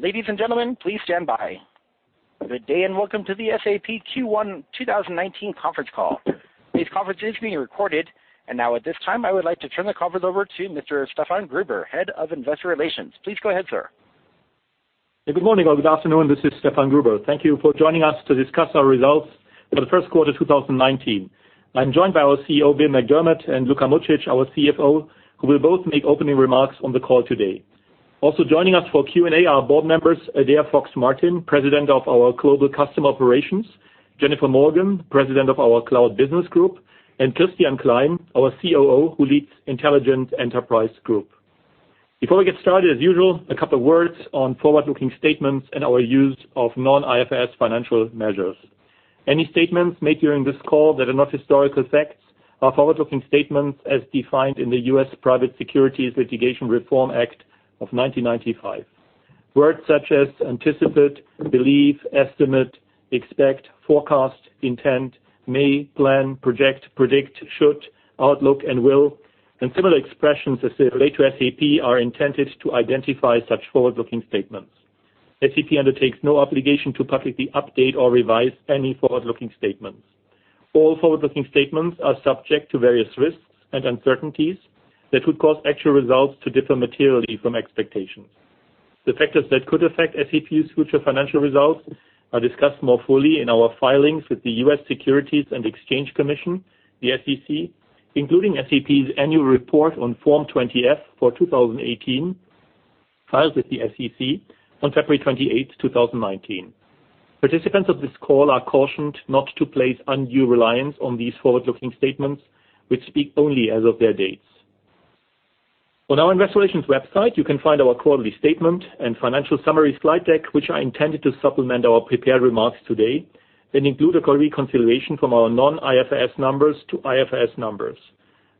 Ladies and gentlemen, please stand by. Good day and welcome to the SAP Q1 2019 conference call. This conference is being recorded. At this time, I would like to turn the conference over to Mr. Stefan Gruber, Head of Investor Relations. Please go ahead, sir. Good morning or good afternoon. This is Stefan Gruber. Thank you for joining us to discuss our results for the first quarter of 2019. I am joined by our CEO, Bill McDermott, and Luka Mucic, our CFO, who will both make opening remarks on the call today. Also joining us for Q&A are Board members, Adaire Fox-Martin, President of our Global Customer Operations, Jennifer Morgan, President of our Cloud Business Group, and Christian Klein, our COO, who leads Intelligent Enterprise Group. Before we get started, as usual, a couple of words on forward-looking statements and our use of non-IFRS financial measures. Any statements made during this call that are not historical facts are forward-looking statements as defined in the U.S. Private Securities Litigation Reform Act of 1995. Words such as anticipate, believe, estimate, expect, forecast, intent, may, plan, project, predict, should, outlook, and will, and similar expressions as they relate to SAP are intended to identify such forward-looking statements. SAP undertakes no obligation to publicly update or revise any forward-looking statements. All forward-looking statements are subject to various risks and uncertainties that could cause actual results to differ materially from expectations. The factors that could affect SAP's future financial results are discussed more fully in our filings with the U.S. Securities and Exchange Commission, the SEC, including SAP's annual report on Form 20-F for 2018, filed with the SEC on February 28th, 2019. Participants of this call are cautioned not to place undue reliance on these forward-looking statements, which speak only as of their dates. On our investor relations website, you can find our quarterly statement and financial summary slide deck, which are intended to supplement our prepared remarks today and include a reconciliation from our non-IFRS numbers to IFRS numbers.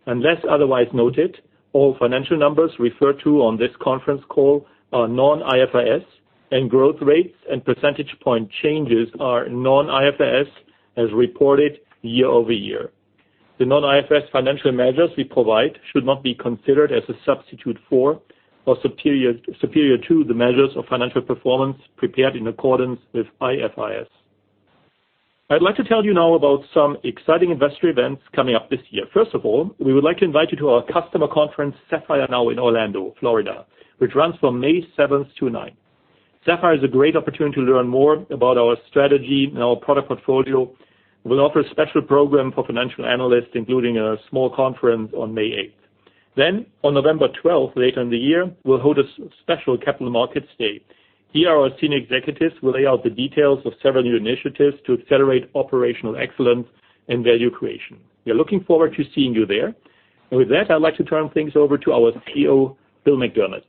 Unless otherwise noted, all financial numbers referred to on this conference call are non-IFRS, and growth rates and percentage point changes are non-IFRS as reported year-over-year. The non-IFRS financial measures we provide should not be considered as a substitute for or superior to the measures of financial performance prepared in accordance with IFRS. I would like to tell you now about some exciting investor events coming up this year. First of all, we would like to invite you to our customer conference, SAPPHIRE NOW, in Orlando, Florida, which runs from May 7th to 9th. SAPPHIRE is a great opportunity to learn more about our strategy and our product portfolio. We'll offer a special program for financial analysts, including a small conference on May 8th. Then, on November 12th, later in the year, we'll hold a special capital markets day. Here, our senior executives will lay out the details of several new initiatives to accelerate operational excellence and value creation. We are looking forward to seeing you there. With that, I'd like to turn things over to our CEO, Bill McDermott.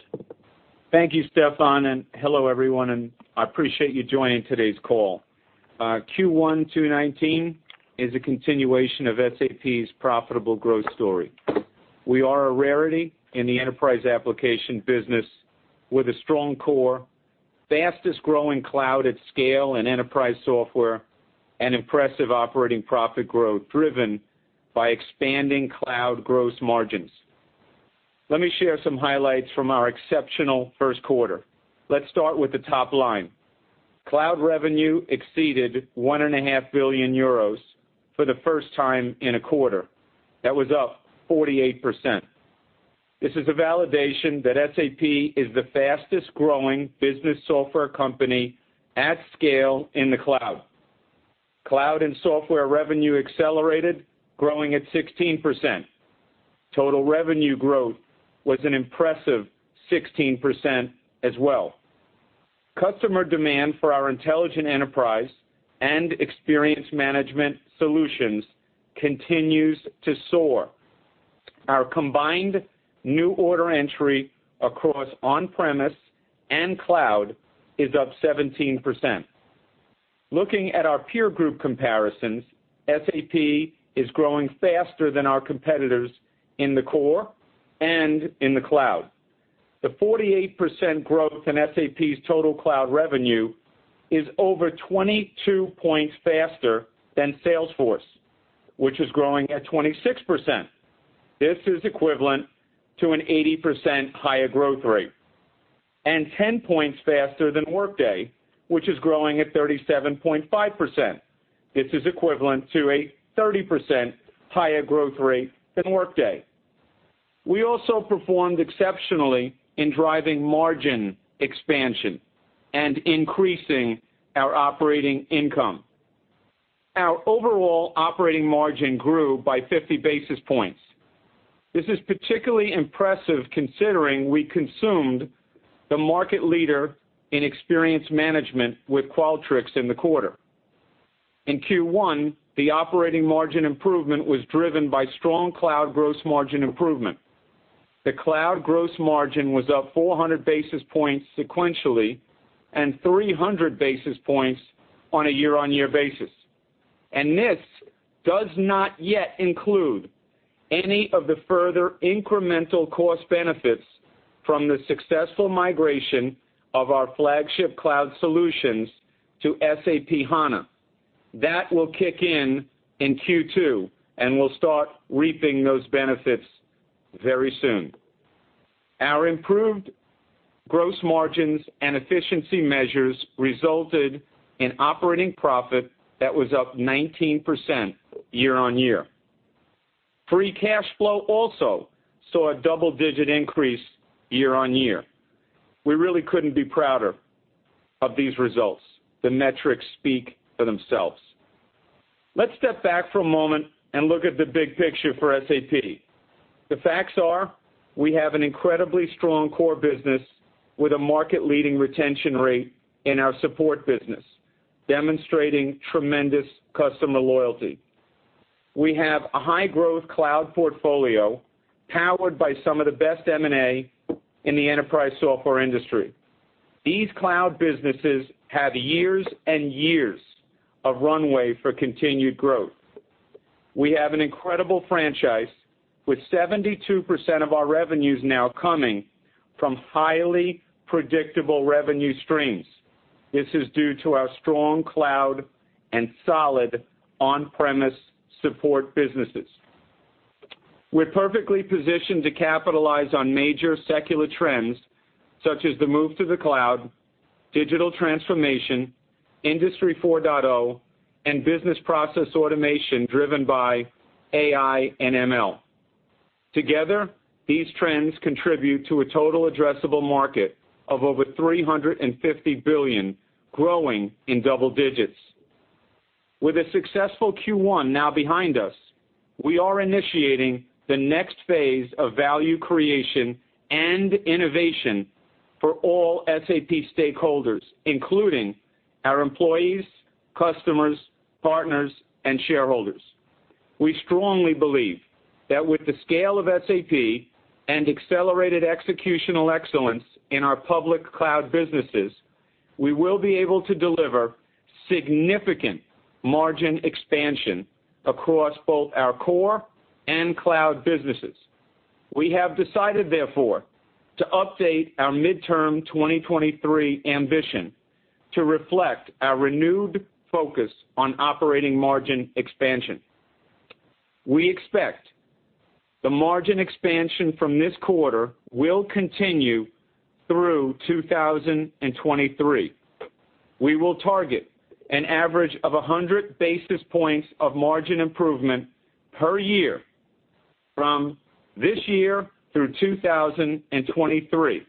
Thank you, Stefan. Hello, everyone, and I appreciate you joining today's call. Q1 2019 is a continuation of SAP's profitable growth story. We are a rarity in the enterprise application business with a strong core, fastest growing cloud at scale and enterprise software, and impressive operating profit growth driven by expanding cloud gross margins. Let me share some highlights from our exceptional first quarter. Let's start with the top line. Cloud revenue exceeded 1.5 billion euros for the first time in a quarter. That was up 48%. This is a validation that SAP is the fastest growing business software company at scale in the cloud. Cloud and software revenue accelerated, growing at 16%. Total revenue growth was an impressive 16% as well. Customer demand for our intelligent enterprise and experience management solutions continues to soar. Our combined new order entry across on-premise and cloud is up 17%. Looking at our peer group comparisons, SAP is growing faster than our competitors in the core and in the cloud. The 48% growth in SAP's total cloud revenue is over 22 points faster than Salesforce, which is growing at 26%. This is equivalent to an 80% higher growth rate. 10 points faster than Workday, which is growing at 37.5%. This is equivalent to a 30% higher growth rate than Workday. We also performed exceptionally in driving margin expansion and increasing our operating income. Our overall operating margin grew by 50 basis points. This is particularly impressive considering we consumed the market leader in experience management with Qualtrics in the quarter. In Q1, the operating margin improvement was driven by strong cloud gross margin improvement. The cloud gross margin was up 400 basis points sequentially and 300 basis points on a year-on-year basis. This does not yet include any of the further incremental cost benefits from the successful migration of our flagship cloud solutions to SAP HANA. That will kick in in Q2, and we'll start reaping those benefits very soon. Our improved gross margins and efficiency measures resulted in operating profit that was up 19% year-on-year. Free cash flow also saw a double-digit increase year-on-year. We really couldn't be prouder of these results. The metrics speak for themselves. Let's step back for a moment and look at the big picture for SAP. The facts are we have an incredibly strong core business with a market-leading retention rate in our support business, demonstrating tremendous customer loyalty. We have a high-growth cloud portfolio powered by some of the best M&A in the enterprise software industry. These cloud businesses have years and years of runway for continued growth. We have an incredible franchise, with 72% of our revenues now coming from highly predictable revenue streams. This is due to our strong cloud and solid on-premise support businesses. We're perfectly positioned to capitalize on major secular trends such as the move to the cloud, digital transformation, Industry 4.0, and business process automation driven by AI and ML. Together, these trends contribute to a total addressable market of over 350 billion, growing in double digits. With a successful Q1 now behind us, we are initiating the next phase of value creation and innovation for all SAP stakeholders, including our employees, customers, partners, and shareholders. We strongly believe that with the scale of SAP and accelerated executional excellence in our public cloud businesses, we will be able to deliver significant margin expansion across both our core and cloud businesses. We have decided, therefore, to update our midterm 2023 ambition to reflect our renewed focus on operating margin expansion. We expect the margin expansion from this quarter will continue through 2023. We will target an average of 100 basis points of margin improvement per year from this year through 2023,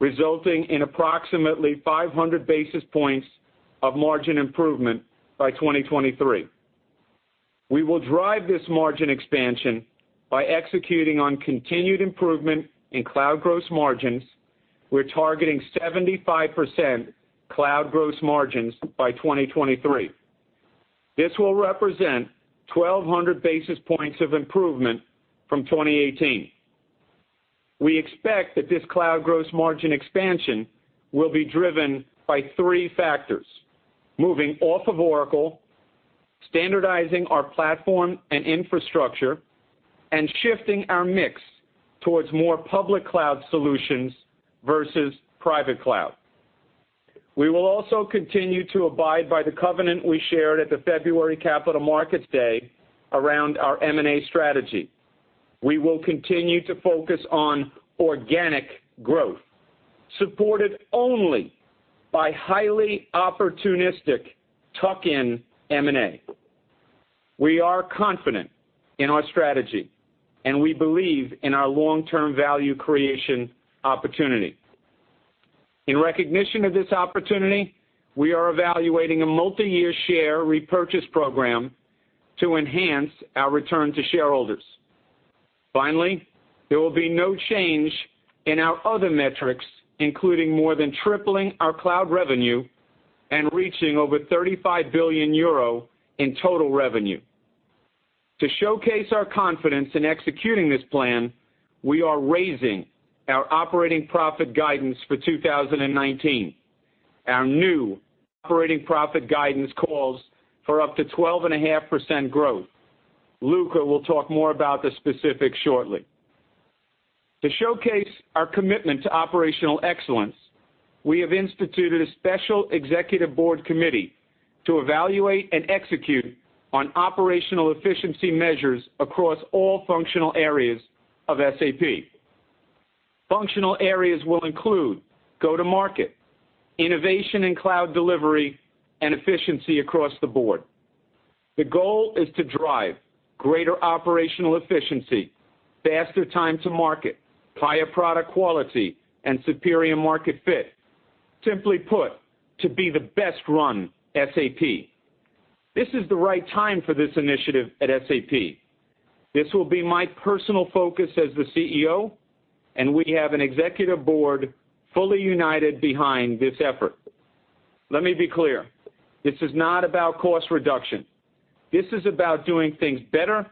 resulting in approximately 500 basis points of margin improvement by 2023. We will drive this margin expansion by executing on continued improvement in cloud gross margins. We're targeting 75% cloud gross margins by 2023. This will represent 1,200 basis points of improvement from 2018. We expect that this cloud gross margin expansion will be driven by three factors: moving off of Oracle, standardizing our platform and infrastructure, and shifting our mix towards more public cloud solutions versus private cloud. We will also continue to abide by the covenant we shared at the February Capital Markets Day around our M&A strategy. We will continue to focus on organic growth, supported only by highly opportunistic tuck-in M&A. We are confident in our strategy, and we believe in our long-term value creation opportunity. In recognition of this opportunity, we are evaluating a multi-year share repurchase program to enhance our return to shareholders. Finally, there will be no change in our other metrics, including more than tripling our cloud revenue and reaching over 35 billion euro in total revenue. To showcase our confidence in executing this plan, we are raising our operating profit guidance for 2019. Our new operating profit guidance calls for up to 12.5% growth. Luka will talk more about the specifics shortly. To showcase our commitment to operational excellence, we have instituted a special executive board committee to evaluate and execute on operational efficiency measures across all functional areas of SAP. Functional areas will include go-to-market, innovation and cloud delivery, and efficiency across the board. The goal is to drive greater operational efficiency, faster time to market, higher product quality, and superior market fit. Simply put, to be the best-run SAP. This is the right time for this initiative at SAP. This will be my personal focus as the CEO, and we have an executive board fully united behind this effort. Let me be clear. This is not about cost reduction. This is about doing things better,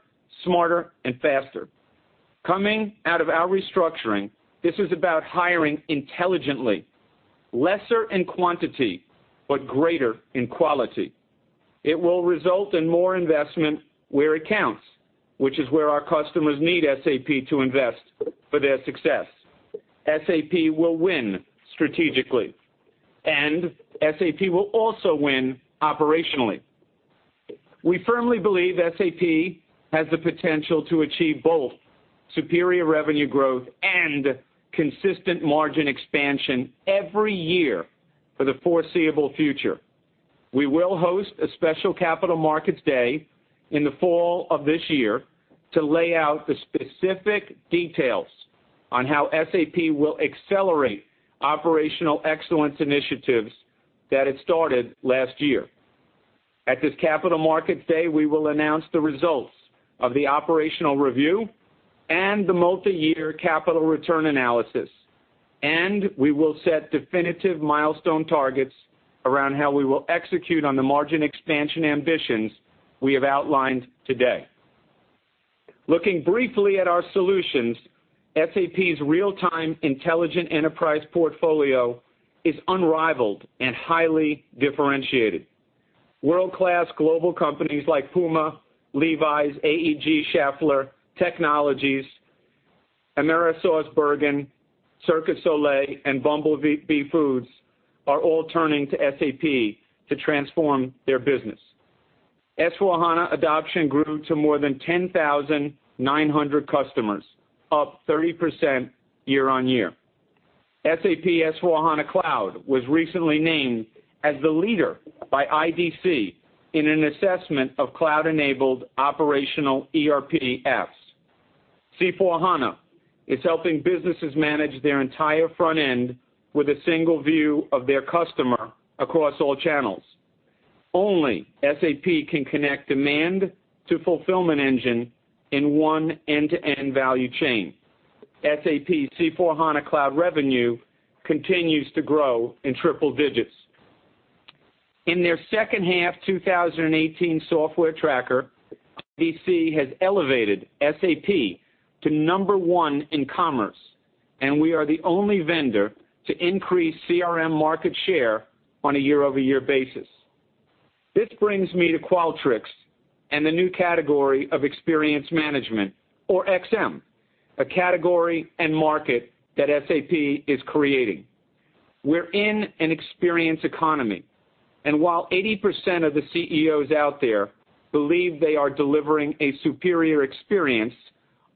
smarter, and faster. Coming out of our restructuring, this is about hiring intelligently, lesser in quantity, but greater in quality. It will result in more investment where it counts, which is where our customers need SAP to invest for their success. SAP will win strategically, and SAP will also win operationally. We firmly believe SAP has the potential to achieve both superior revenue growth and consistent margin expansion every year for the foreseeable future. We will host a special capital markets day in the fall of this year to lay out the specific details on how SAP will accelerate operational excellence initiatives that it started last year. At this capital markets day, we will announce the results of the operational review and the multi-year capital return analysis, and we will set definitive milestone targets around how we will execute on the margin expansion ambitions we have outlined today. Looking briefly at our solutions, SAP's real-time intelligent enterprise portfolio is unrivaled and highly differentiated. World-class global companies like Puma, Levi's, AEG, Schaeffler Technologies, AmerisourceBergen, Cirque du Soleil, and Bumble Bee Foods are all turning to SAP to transform their business. S/4HANA adoption grew to more than 10,900 customers, up 30% year-on-year. SAP S/4HANA Cloud was recently named as the leader by IDC in an assessment of cloud-enabled operational ERP apps. C/4HANA is helping businesses manage their entire front end with a single view of their customer across all channels. Only SAP can connect demand to fulfillment engine in one end-to-end value chain. SAP C/4HANA Cloud revenue continues to grow in triple digits. In their second half 2018 software tracker, IDC has elevated SAP to number 1 in commerce. We are the only vendor to increase CRM market share on a year-over-year basis. This brings me to Qualtrics and the new category of experience management, or XM, a category and market that SAP is creating. We're in an experience economy. While 80% of the CEOs out there believe they are delivering a superior experience,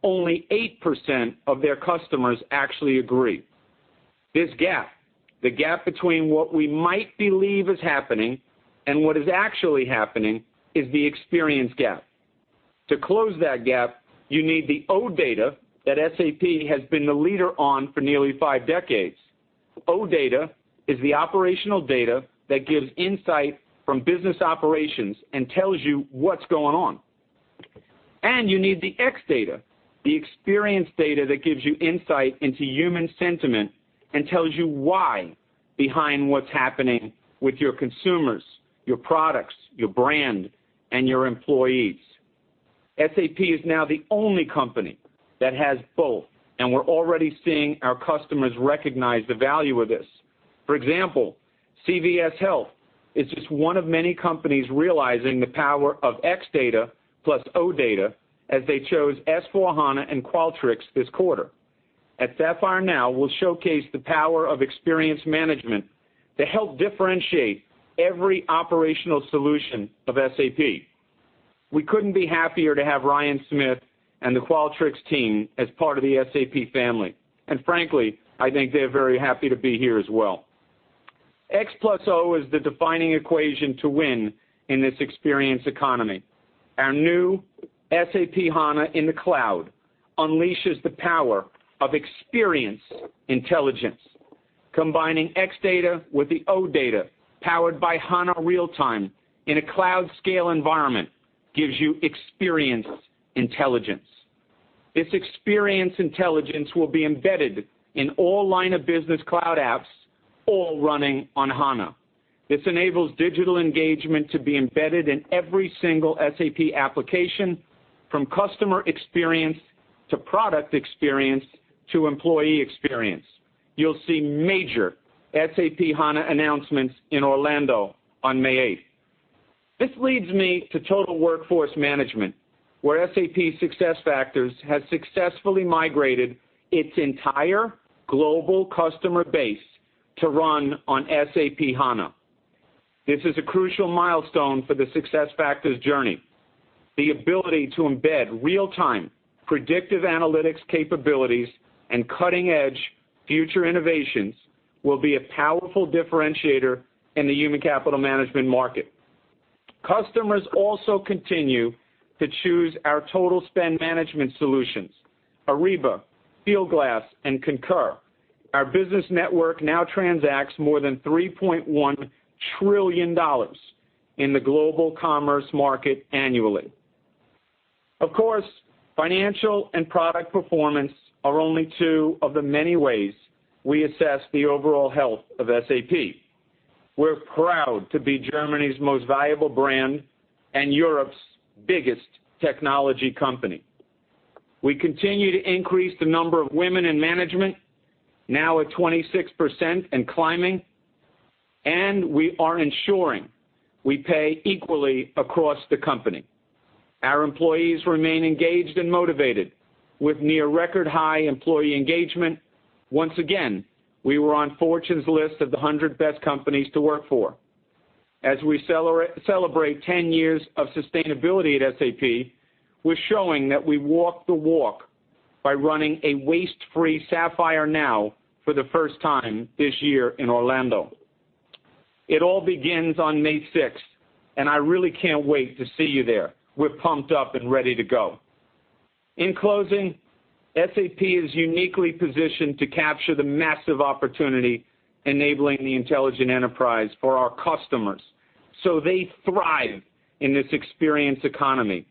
only 8% of their customers actually agree. This gap, the gap between what we might believe is happening and what is actually happening, is the experience gap. To close that gap, you need the O data that SAP has been the leader on for nearly five decades. O data is the operational data that gives insight from business operations and tells you what's going on. You need the X data, the experience data that gives you insight into human sentiment and tells you why behind what's happening with your consumers, your products, your brand, and your employees. SAP is now the only company that has both, and we're already seeing our customers recognize the value of this. For example, CVS Health is just one of many companies realizing the power of X data plus O data as they chose S/4HANA and Qualtrics this quarter. At SAPPHIRE NOW, we'll showcase the power of experience management to help differentiate every operational solution of SAP. We couldn't be happier to have Ryan Smith and the Qualtrics team as part of the SAP family. Frankly, I think they're very happy to be here as well. X plus O is the defining equation to win in this experience economy. Our new SAP HANA in the cloud unleashes the power of experience intelligence. Combining X data with the O data powered by HANA real time in a cloud scale environment gives you experience intelligence. This experience intelligence will be embedded in all line of business cloud apps, all running on HANA. This enables digital engagement to be embedded in every single SAP application, from customer experience to product experience to employee experience. You'll see major SAP HANA announcements in Orlando on May 8th. This leads me to total workforce management, where SAP SuccessFactors has successfully migrated its entire global customer base to run on SAP HANA. This is a crucial milestone for the SuccessFactors journey. The ability to embed real-time predictive analytics capabilities and cutting-edge future innovations will be a powerful differentiator in the human capital management market. Customers also continue to choose our total spend management solutions, Ariba, Fieldglass, and Concur. Our business network now transacts more than $3.1 trillion in the global commerce market annually. Of course, financial and product performance are only two of the many ways we assess the overall health of SAP. We're proud to be Germany's most valuable brand and Europe's biggest technology company. We continue to increase the number of women in management, now at 26% and climbing. We are ensuring we pay equally across the company. Our employees remain engaged and motivated with near record high employee engagement. Once again, we were on Fortune's list of the 100 Best Companies to Work For. As we celebrate 10 years of sustainability at SAP, we're showing that we walk the walk by running a waste-free SAPPHIRE NOW for the first time this year in Orlando. It all begins on May 6th, and I really can't wait to see you there. We're pumped up and ready to go. In closing, SAP is uniquely positioned to capture the massive opportunity enabling the intelligent enterprise for our customers, so they thrive in this experience economy.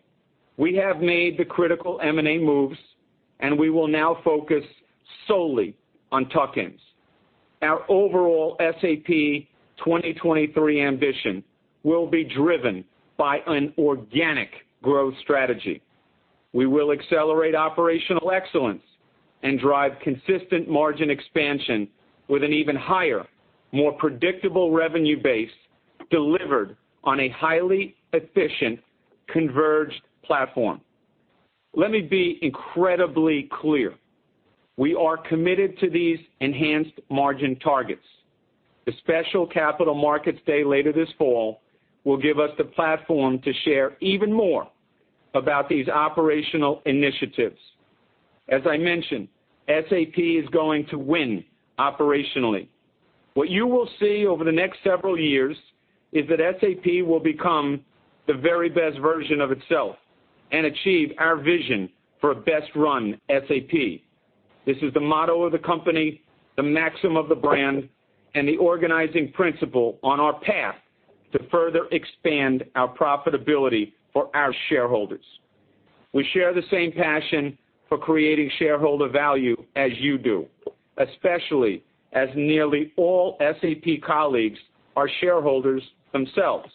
We have made the critical M&A moves, and we will now focus solely on tuck-ins. Our overall SAP 2023 ambition will be driven by an organic growth strategy. We will accelerate operational excellence and drive consistent margin expansion with an even higher, more predictable revenue base delivered on a highly efficient, converged platform. Let me be incredibly clear. We are committed to these enhanced margin targets. The special Capital Markets Day later this fall will give us the platform to share even more about these operational initiatives. As I mentioned, SAP is going to win operationally. What you will see over the next several years is that SAP will become the very best version of itself and achieve our vision for a best-run SAP. This is the motto of the company, the maxim of the brand, and the organizing principle on our path to further expand our profitability for our shareholders. We share the same passion for creating shareholder value as you do, especially as nearly all SAP colleagues are shareholders themselves.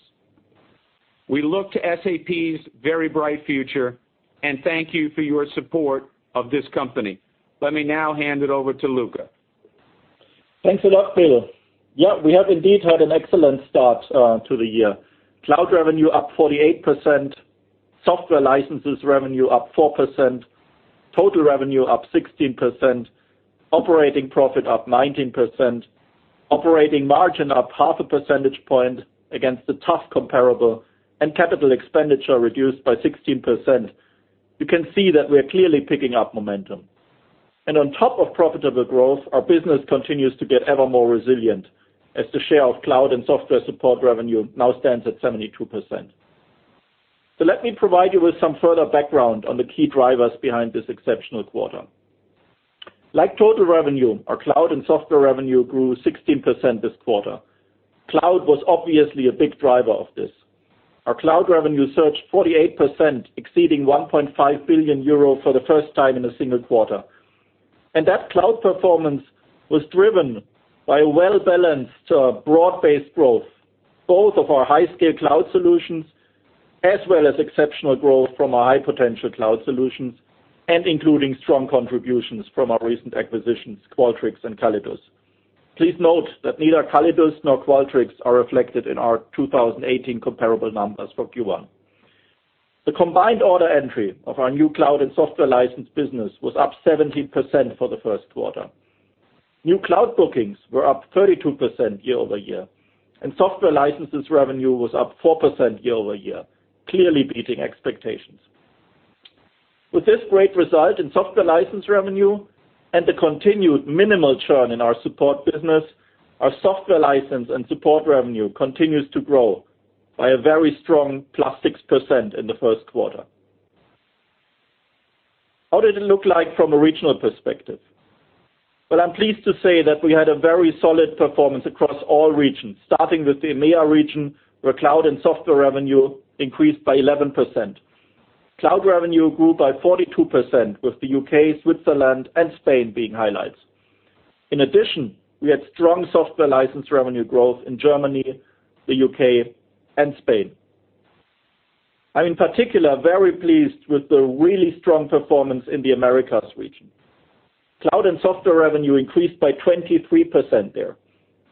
We look to SAP's very bright future, and thank you for your support of this company. Let me now hand it over to Luka. Thanks a lot, Bill. We have indeed had an excellent start to the year. Cloud revenue up 48%, software licenses revenue up 4%, total revenue up 16%, operating profit up 19%, operating margin up half a percentage point against a tough comparable, and capital expenditure reduced by 16%. You can see that we're clearly picking up momentum. On top of profitable growth, our business continues to get ever more resilient as the share of cloud and software support revenue now stands at 72%. Let me provide you with some further background on the key drivers behind this exceptional quarter. Like total revenue, our cloud and software revenue grew 16% this quarter. Cloud was obviously a big driver of this. Our cloud revenue surged 48%, exceeding 1.5 billion euro for the first time in a single quarter. That cloud performance was driven by a well-balanced, broad-based growth, both of our high-scale cloud solutions, as well as exceptional growth from our high-potential cloud solutions including strong contributions from our recent acquisitions, Qualtrics and Callidus. Please note that neither Callidus nor Qualtrics are reflected in our 2018 comparable numbers for Q1. The combined order entry of our new cloud and software license business was up 17% for the first quarter. New cloud bookings were up 32% year-over-year, software licenses revenue was up 4% year-over-year, clearly beating expectations. With this great result in software license revenue and the continued minimal churn in our support business, our software license and support revenue continues to grow by a very strong +6% in the first quarter. How did it look like from a regional perspective? Well, I'm pleased to say that we had a very solid performance across all regions, starting with the EMEA region, where cloud and software revenue increased by 11%. Cloud revenue grew by 42%, with the U.K., Switzerland, and Spain being highlights. In addition, we had strong software license revenue growth in Germany, the U.K., and Spain. I'm in particular very pleased with the really strong performance in the Americas region. Cloud and software revenue increased by 23% there.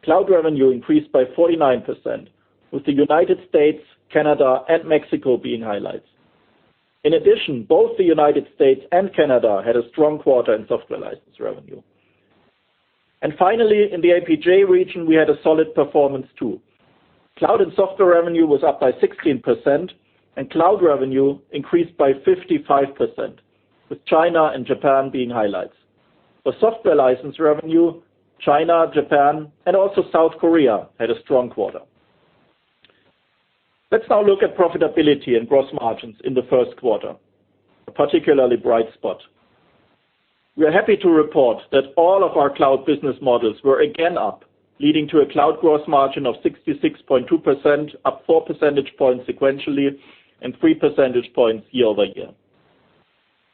Cloud revenue increased by 49%, with the United States, Canada, and Mexico being highlights. In addition, both the United States and Canada had a strong quarter in software license revenue. Finally, in the APJ region, we had a solid performance, too. Cloud and software revenue was up by 16%, cloud revenue increased by 55%, with China and Japan being highlights. For software license revenue, China, Japan, and also South Korea had a strong quarter. Let's now look at profitability and gross margins in the first quarter, a particularly bright spot. We are happy to report that all of our cloud business models were again up, leading to a cloud gross margin of 66.2%, up four percentage points sequentially and three percentage points year-over-year.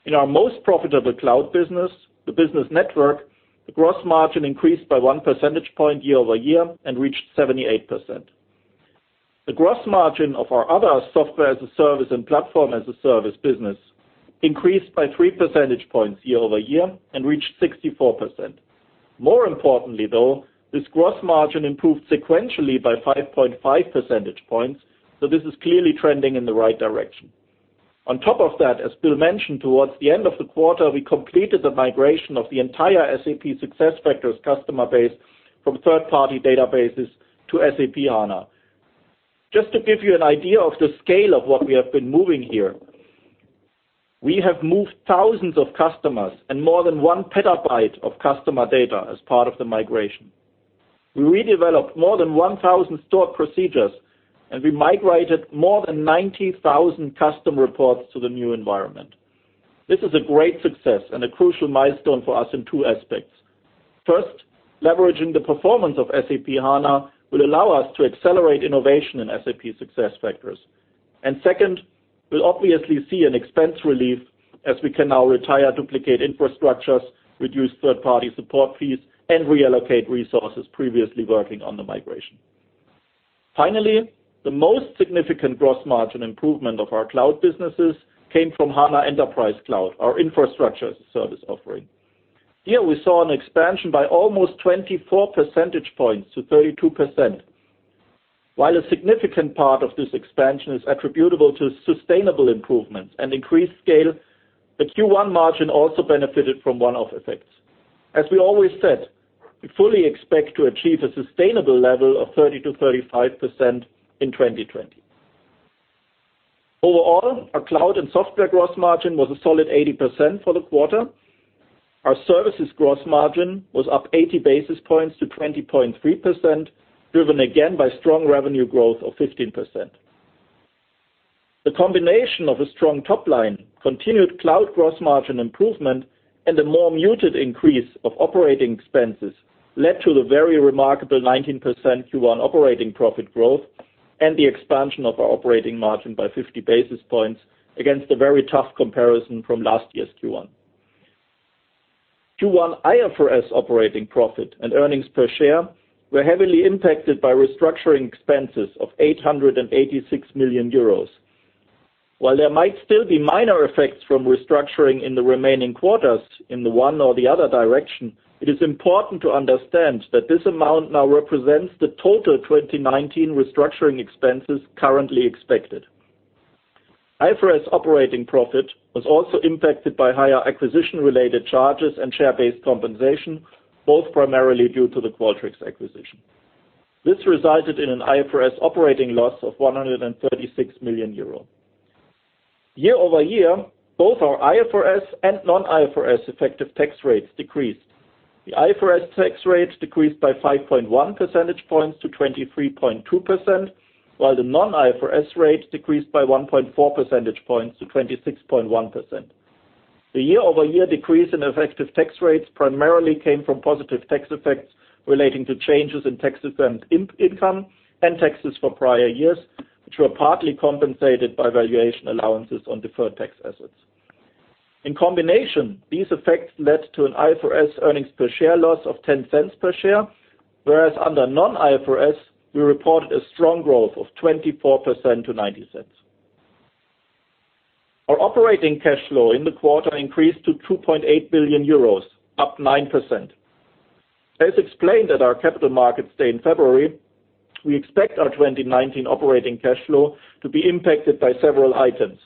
In our most profitable cloud business, the business network, the gross margin increased by one percentage point year-over-year and reached 78%. The gross margin of our other software as a service and platform as a service business increased by three percentage points year-over-year and reached 64%. More importantly, though, this gross margin improved sequentially by 5.5 percentage points, this is clearly trending in the right direction. On top of that, as Bill mentioned, towards the end of the quarter, we completed the migration of the entire SAP SuccessFactors customer base from third-party databases to SAP HANA. Just to give you an idea of the scale of what we have been moving here, we have moved thousands of customers and more than one petabyte of customer data as part of the migration. We redeveloped more than 1,000 stored procedures, and we migrated more than 90,000 custom reports to the new environment. This is a great success and a crucial milestone for us in two aspects. First, leveraging the performance of SAP HANA will allow us to accelerate innovation in SAP SuccessFactors. Second, we'll obviously see an expense relief as we can now retire duplicate infrastructures, reduce third-party support fees, and reallocate resources previously working on the migration. Finally, the most significant gross margin improvement of our cloud businesses came from HANA Enterprise Cloud, our infrastructure service offering. Here we saw an expansion by almost 24 percentage points to 32%. While a significant part of this expansion is attributable to sustainable improvements and increased scale, the Q1 margin also benefited from one-off effects. As we always said, we fully expect to achieve a sustainable level of 30%-35% in 2020. Overall, our cloud and software gross margin was a solid 80% for the quarter. Our services gross margin was up 80 basis points to 20.3%, driven again by strong revenue growth of 15%. The combination of a strong top line, continued cloud gross margin improvement, and a more muted increase of operating expenses led to the very remarkable 19% Q1 operating profit growth and the expansion of our operating margin by 50 basis points against a very tough comparison from last year's Q1. Q1 IFRS operating profit and earnings per share were heavily impacted by restructuring expenses of 886 million euros. While there might still be minor effects from restructuring in the remaining quarters in the one or the other direction, it is important to understand that this amount now represents the total 2019 restructuring expenses currently expected. IFRS operating profit was also impacted by higher acquisition-related charges and share-based compensation, both primarily due to the Qualtrics acquisition. This resulted in an IFRS operating loss of 136 million euros. Year-over-year, both our IFRS and non-IFRS effective tax rates decreased. The IFRS tax rate decreased by 5.1 percentage points to 23.2%, while the non-IFRS rate decreased by 1.4 percentage points to 26.1%. The Year-over-year decrease in effective tax rates primarily came from positive tax effects relating to changes in tax exempt income and taxes for prior years, which were partly compensated by valuation allowances on deferred tax assets. In combination, these effects led to an IFRS earnings per share loss of 0.10 per share, whereas under non-IFRS, we reported a strong growth of 24% to 0.90. Our operating cash flow in the quarter increased to 2.8 billion euros, up 9%. As explained at our capital markets day in February, we expect our 2019 operating cash flow to be impacted by several items.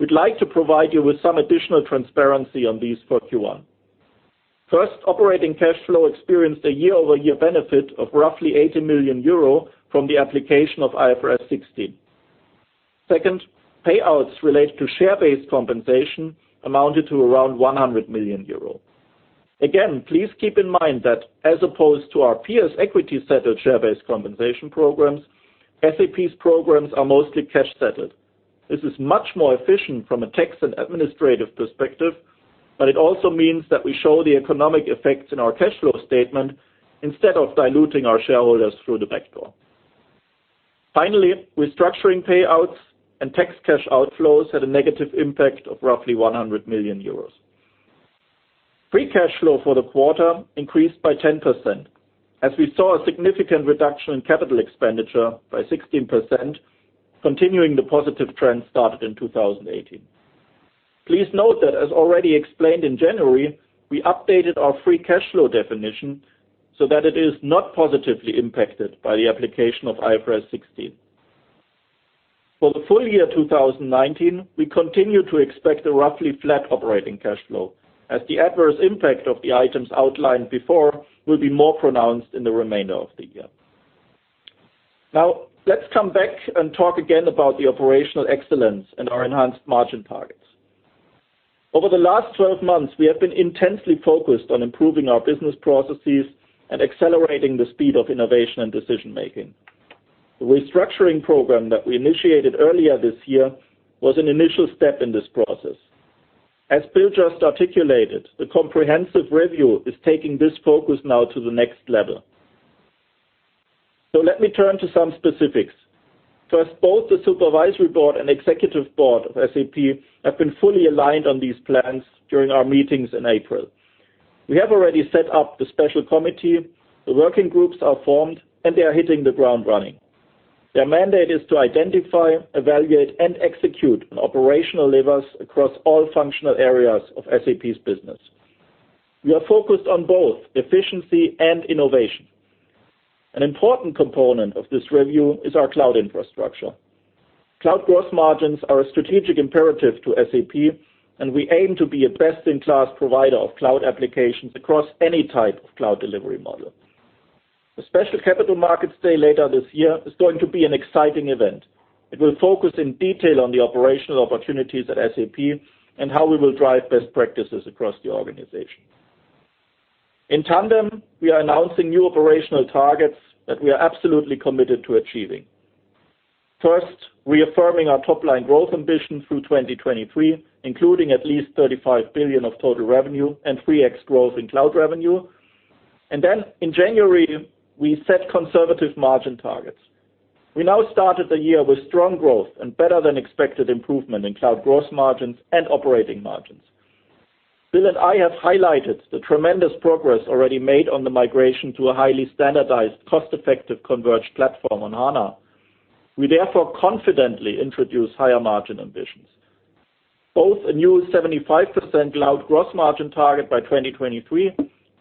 We'd like to provide you with some additional transparency on these for Q1. First, operating cash flow experienced a year-over-year benefit of roughly 80 million euro from the application of IFRS 16. Second, payouts related to share-based compensation amounted to around 100 million euro. Again, please keep in mind that as opposed to our peers' equity-settled share-based compensation programs, SAP's programs are mostly cash-settled. This is much more efficient from a tax and administrative perspective, but it also means that we show the economic effects in our cash flow statement instead of diluting our shareholders through the back door. Finally, restructuring payouts and tax cash outflows had a negative impact of roughly 100 million euros. Free cash flow for the quarter increased by 10%, as we saw a significant reduction in capital expenditure by 16%, continuing the positive trend started in 2018. Please note that as already explained in January, we updated our free cash flow definition so that it is not positively impacted by the application of IFRS 16. For the full year 2019, we continue to expect a roughly flat operating cash flow as the adverse impact of the items outlined before will be more pronounced in the remainder of the year. Let's come back and talk again about the operational excellence and our enhanced margin targets. Over the last 12 months, we have been intensely focused on improving our business processes and accelerating the speed of innovation and decision-making. The restructuring program that we initiated earlier this year was an initial step in this process. As Bill just articulated, the comprehensive review is taking this focus now to the next level. Let me turn to some specifics. First, both the supervisory board and executive board of SAP have been fully aligned on these plans during our meetings in April. We have already set up the special committee. The working groups are formed, and they are hitting the ground running. Their mandate is to identify, evaluate, and execute on operational levers across all functional areas of SAP's business. We are focused on both efficiency and innovation. An important component of this review is our cloud infrastructure. Cloud gross margins are a strategic imperative to SAP, and we aim to be a best-in-class provider of cloud applications across any type of cloud delivery model. The special capital markets day later this year is going to be an exciting event. It will focus in detail on the operational opportunities at SAP and how we will drive best practices across the organization. In tandem, we are announcing new operational targets that we are absolutely committed to achieving. First, reaffirming our top-line growth ambition through 2023, including at least 35 billion of total revenue and 3x growth in cloud revenue. In January, we set conservative margin targets. We now started the year with strong growth and better than expected improvement in cloud gross margins and operating margins. Bill and I have highlighted the tremendous progress already made on the migration to a highly standardized, cost-effective converged platform on SAP HANA. We therefore confidently introduce higher margin ambitions. Both a new 75% cloud gross margin target by 2023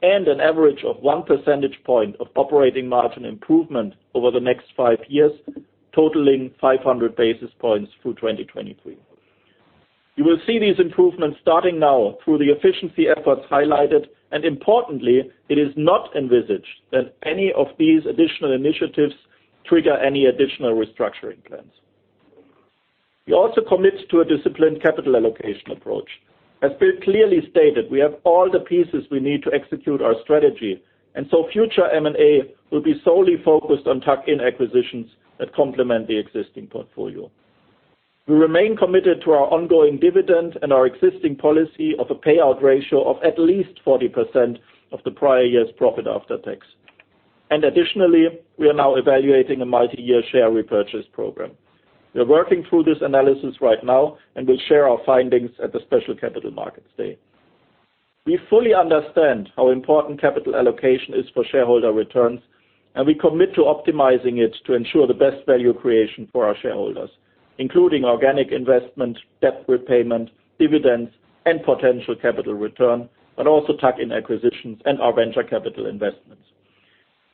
and an average of one percentage point of operating margin improvement over the next five years, totaling 500 basis points through 2023. You will see these improvements starting now through the efficiency efforts highlighted, importantly, it is not envisaged that any of these additional initiatives trigger any additional restructuring plans. We also commit to a disciplined capital allocation approach. As Bill clearly stated, we have all the pieces we need to execute our strategy, future M&A will be solely focused on tuck-in acquisitions that complement the existing portfolio. We remain committed to our ongoing dividend and our existing policy of a payout ratio of at least 40% of the prior year's profit after tax. Additionally, we are now evaluating a multi-year share repurchase program. We are working through this analysis right now, we'll share our findings at the special capital markets day. We fully understand how important capital allocation is for shareholder returns, we commit to optimizing it to ensure the best value creation for our shareholders, including organic investment, debt repayment, dividends, and potential capital return, but also tuck-in acquisitions and our venture capital investments.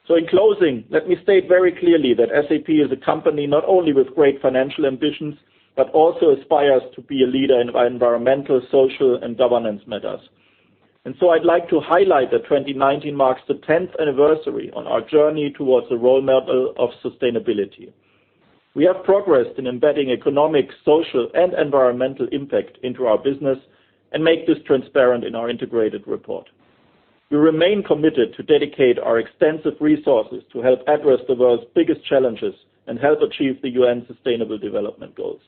In closing, let me state very clearly that SAP is a company not only with great financial ambitions, but also aspires to be a leader in environmental, social, and governance matters. I'd like to highlight that 2019 marks the 10th anniversary on our journey towards a role model of sustainability. We have progressed in embedding economic, social, and environmental impact into our business and make this transparent in our integrated report. We remain committed to dedicate our extensive resources to help address the world's biggest challenges and help achieve the UN Sustainable Development Goals.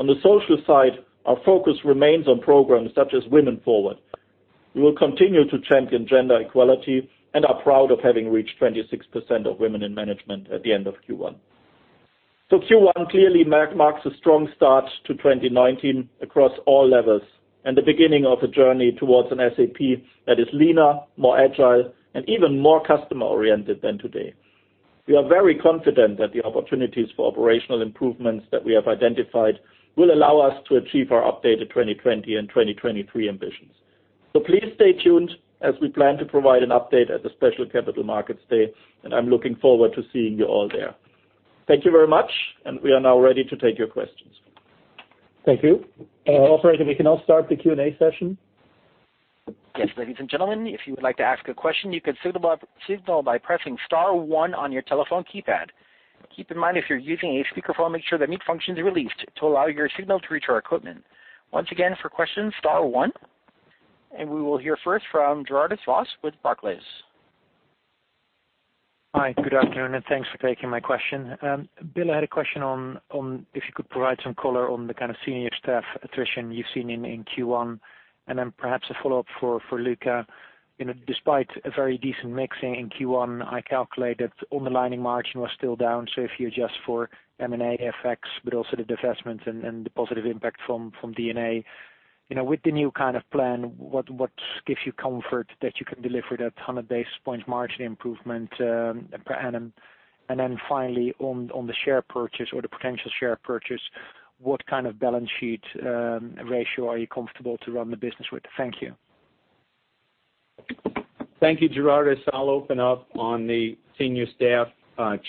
On the social side, our focus remains on programs such as Women Forward. We will continue to champion gender equality and are proud of having reached 26% of women in management at the end of Q1. Q1 clearly marks a strong start to 2019 across all levels and the beginning of a journey towards an SAP that is leaner, more agile, and even more customer-oriented than today. We are very confident that the opportunities for operational improvements that we have identified will allow us to achieve our updated 2020 and 2023 ambitions. Please stay tuned as we plan to provide an update at the special capital markets day, I'm looking forward to seeing you all there. Thank you very much, we are now ready to take your questions. Thank you. Operator, we can now start the Q&A session. Yes. Ladies and gentlemen, if you would like to ask a question, you can signal by pressing star one on your telephone keypad. Keep in mind, if you're using a speakerphone, make sure the mute function is released to allow your signal to reach our equipment. Once again, for questions, star one. We will hear first from Raimo Lenschow with Barclays. Hi, good afternoon, and thanks for taking my question. Bill, I had a question on if you could provide some color on the kind of senior staff attrition you've seen in Q1, then perhaps a follow-up for Luka. Despite a very decent mixing in Q1, I calculate that underlining margin was still down, if you adjust for M&A effects but also the divestments and the positive impact from D&A. With the new plan, what gives you comfort that you can deliver that 100 basis points margin improvement per annum? Finally, on the share purchase or the potential share purchase, what kind of balance sheet ratio are you comfortable to run the business with? Thank you. Thank you, Raimo. I'll open up on the senior staff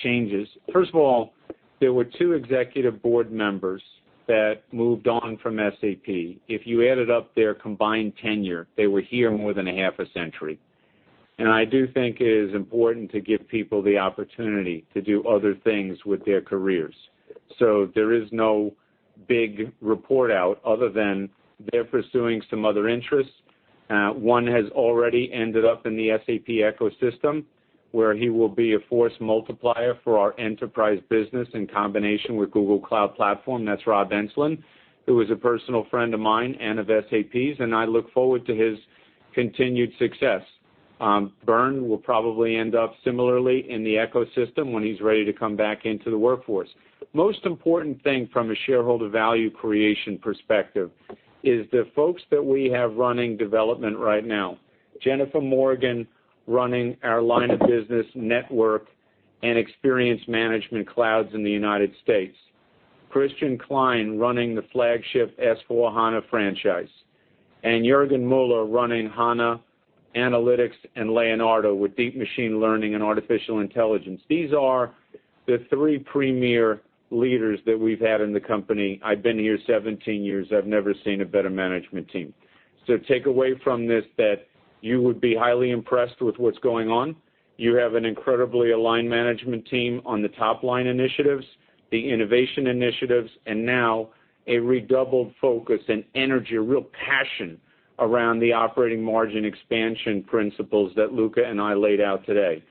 changes. First of all, there were two executive board members that moved on from SAP. If you added up their combined tenure, they were here more than a half a century. I do think it is important to give people the opportunity to do other things with their careers. There is no big report out other than they're pursuing some other interests. One has already ended up in the SAP ecosystem, where he will be a force multiplier for our enterprise business in combination with Google Cloud Platform. That's Rob Enslin, who is a personal friend of mine and of SAP's, and I look forward to his continued success. Bernd will probably end up similarly in the ecosystem when he's ready to come back into the workforce. Most important thing from a shareholder value creation perspective is the folks that we have running development right now. Jennifer Morgan running our line of business network and experience management clouds in the U.S. Christian Klein running the flagship S/4HANA franchise. Juergen Mueller running HANA Analytics and Leonardo with deep machine learning and artificial intelligence. These are the three premier leaders that we've had in the company. I've been here 17 years, I've never seen a better management team. Take away from this that you would be highly impressed with what's going on. You have an incredibly aligned management team on the top-line initiatives, the innovation initiatives, and now a redoubled focus and energy, a real passion around the operating margin expansion principles that Luka and I laid out today.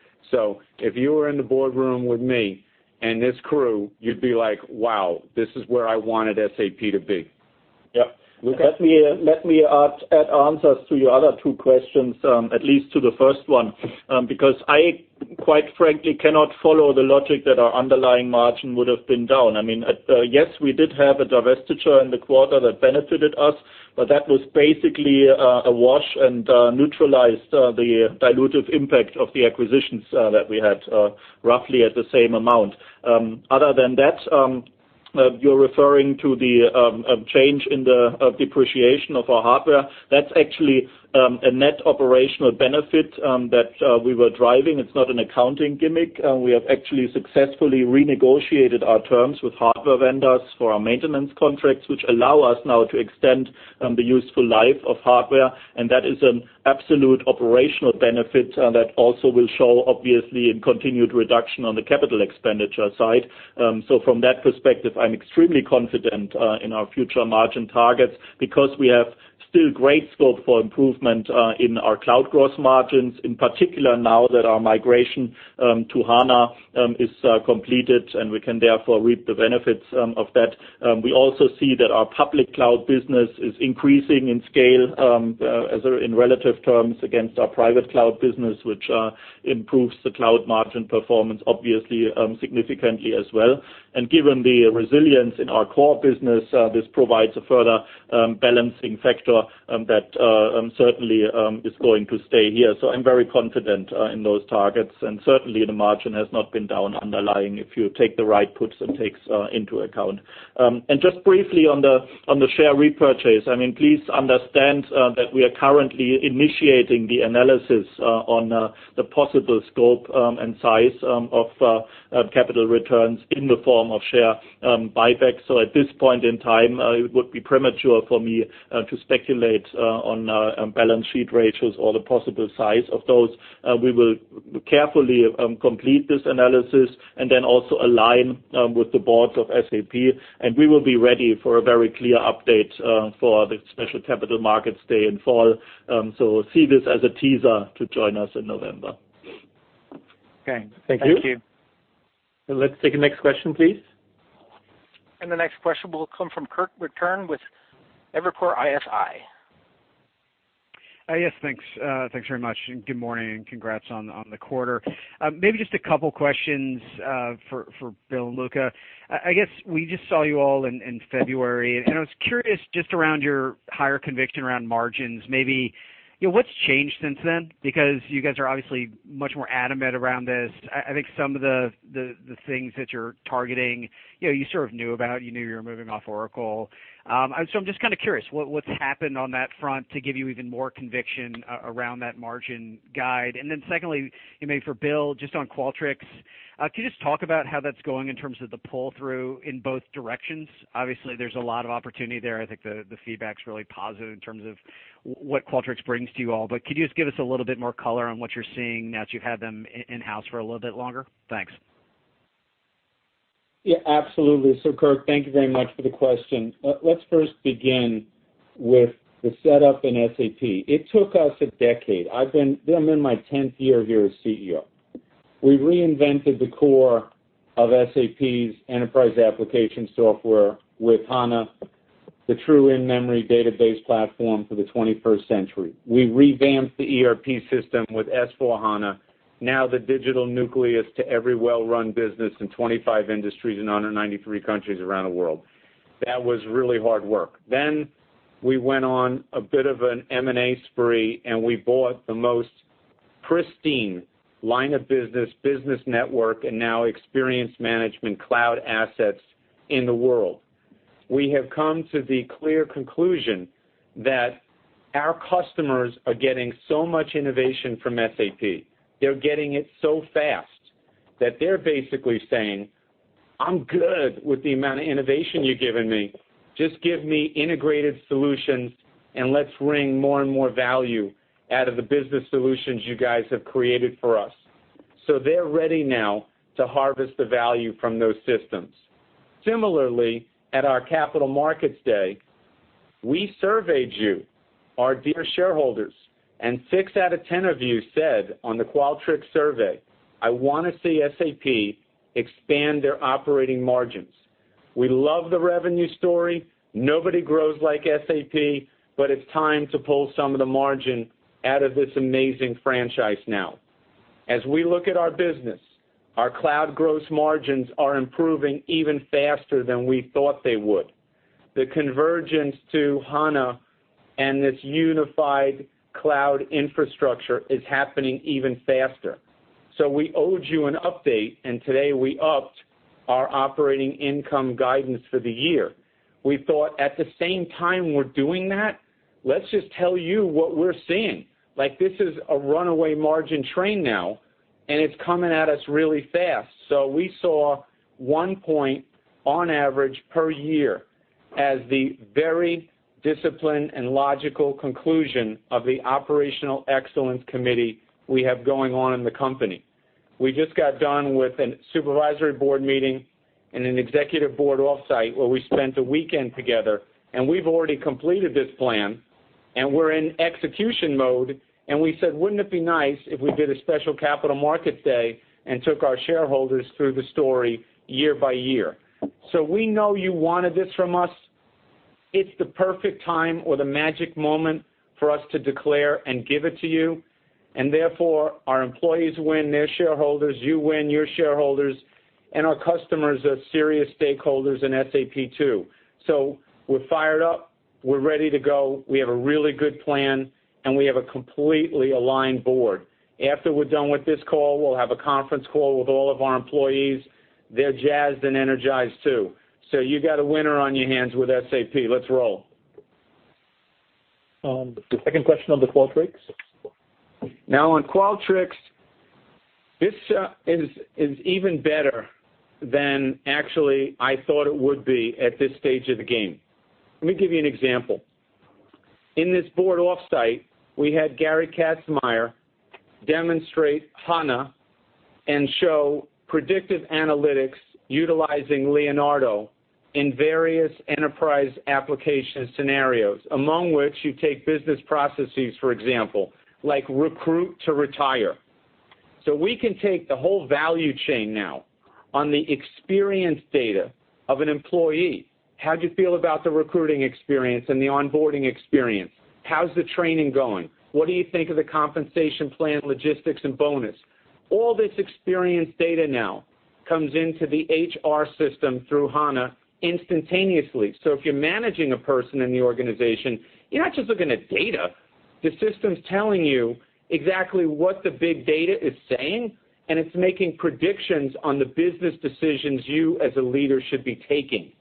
If you were in the boardroom with me and this crew, you'd be like, "Wow, this is where I wanted SAP to be. Yep. Luka? Let me add answers to your other two questions, at least to the first one. I quite frankly cannot follow the logic that our underlying margin would've been down. Yes, we did have a divestiture in the quarter that benefited us, but that was basically a wash and neutralized the dilutive impact of the acquisitions that we had, roughly at the same amount. Other than that, you're referring to the change in the depreciation of our hardware. That's actually a net operational benefit that we were driving. It's not an accounting gimmick. We have actually successfully renegotiated our terms with hardware vendors for our maintenance contracts, which allow us now to extend the useful life of hardware, and that is an absolute operational benefit that also will show, obviously, in continued reduction on the capital expenditure side. From that perspective, I'm extremely confident in our future margin targets because we have still great scope for improvement in our cloud growth margins, in particular, now that our migration to SAP HANA is completed, and we can therefore reap the benefits of that. We also see that our public cloud business is increasing in scale, in relative terms against our private cloud business, which improves the cloud margin performance, obviously, significantly as well. Given the resilience in our core business, this provides a further balancing factor that certainly is going to stay here. I'm very confident in those targets. Certainly, the margin has not been down underlying if you take the right puts and takes into account. Please understand that we are currently initiating the analysis on the possible scope and size of capital returns in the form of share buyback. At this point in time, it would be premature for me to speculate on balance sheet ratios or the possible size of those. We will carefully complete this analysis and then also align with the boards of SAP, and we will be ready for a very clear update for the special Capital Markets Day in fall. See this as a teaser to join us in November. Okay. Thank you. Thank you. Let's take the next question, please. The next question will come from Kirk Materne with Evercore ISI. Thanks very much, and good morning, and congrats on the quarter. Maybe just a couple questions for Bill and Luka. I guess we just saw you all in February, and I was curious just around your higher conviction around margins. Maybe, what's changed since then? You guys are obviously much more adamant around this. I think some of the things that you're targeting, you sort of knew about. You knew you were moving off Oracle. I'm just kind of curious, what's happened on that front to give you even more conviction around that margin guide? Secondly, maybe for Bill, just on Qualtrics. Could you just talk about how that's going in terms of the pull-through in both directions? Obviously, there's a lot of opportunity there. I think the feedback's really positive in terms of what Qualtrics brings to you all. Could you just give us a little bit more color on what you're seeing now that you've had them in-house for a little bit longer? Thanks. Absolutely. Kirk, thank you very much for the question. Let's first begin with the setup in SAP. It took us a decade. I'm in my 10th year here as CEO. We reinvented the core of SAP's enterprise application software with SAP HANA, the true in-memory database platform for the 21st century. We revamped the ERP system with SAP S/4HANA, now the digital nucleus to every well-run business in 25 industries in 193 countries around the world. That was really hard work. We went on a bit of an M&A spree, and we bought the most pristine line of business network, and now experience management cloud assets in the world. We have come to the clear conclusion that our customers are getting so much innovation from SAP. They're getting it so fast that they're basically saying, "I'm good with the amount of innovation you've given me. Just give me integrated solutions, and let's wring more and more value out of the business solutions you guys have created for us." They're ready now to harvest the value from those systems. Similarly, at our Capital Markets Day, we surveyed you, our dear shareholders. six out of 10 of you said on the Qualtrics survey, "I want to see SAP expand their operating margins." We love the revenue story. Nobody grows like SAP. It's time to pull some of the margin out of this amazing franchise now. As we look at our business, our cloud gross margins are improving even faster than we thought they would. The convergence to SAP HANA and this unified cloud infrastructure is happening even faster. We owed you an update, and today we upped our operating income guidance for the year. We thought, at the same time we're doing that, let's just tell you what we're seeing. Like this is a runaway margin train now, and it's coming at us really fast. We saw one point on average per year as the very disciplined and logical conclusion of the operational excellence committee we have going on in the company. We just got done with a supervisory board meeting and an executive board offsite where we spent a weekend together, and we've already completed this plan, and we're in execution mode. We said, "Wouldn't it be nice if we did a special capital market day and took our shareholders through the story year by year?" We know you wanted this from us. It's the perfect time or the magic moment for us to declare and give it to you, and therefore, our employees win their shareholders, you win your shareholders, and our customers are serious stakeholders in SAP, too. We're fired up. We're ready to go. We have a really good plan, and we have a completely aligned board. After we're done with this call, we'll have a conference call with all of our employees. They're jazzed and energized, too. You got a winner on your hands with SAP. Let's roll. The second question on the Qualtrics. On Qualtrics, this is even better than actually I thought it would be at this stage of the game. Let me give you an example. In this board offsite, we had Gerd Danner demonstrate HANA and show predictive analytics utilizing Leonardo in various enterprise application scenarios, among which you take business processes, for example, like recruit to retire. We can take the whole value chain now on the experience data of an employee. How'd you feel about the recruiting experience and the onboarding experience? How's the training going? What do you think of the compensation plan, logistics, and bonus? All this experience data now comes into the HR system through HANA instantaneously. If you're managing a person in the organization, you're not just looking at data. The system's telling you exactly what the big data is saying, and it's making predictions on the business decisions you as a leader should be taking.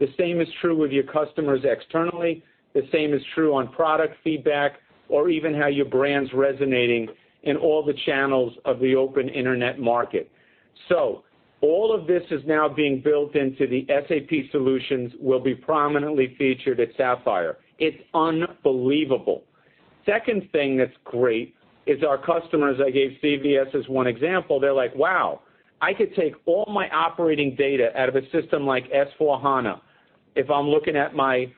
The same is true with your customers externally. The same is true on product feedback or even how your brand's resonating in all the channels of the open internet market. All of this is now being built into the SAP solutions, will be prominently featured at Sapphire. It's unbelievable. Second thing that's great is our customers, I gave CVS as one example, they're like, "Wow, I could take all my operating data out of a system like S/4HANA. If I'm looking at my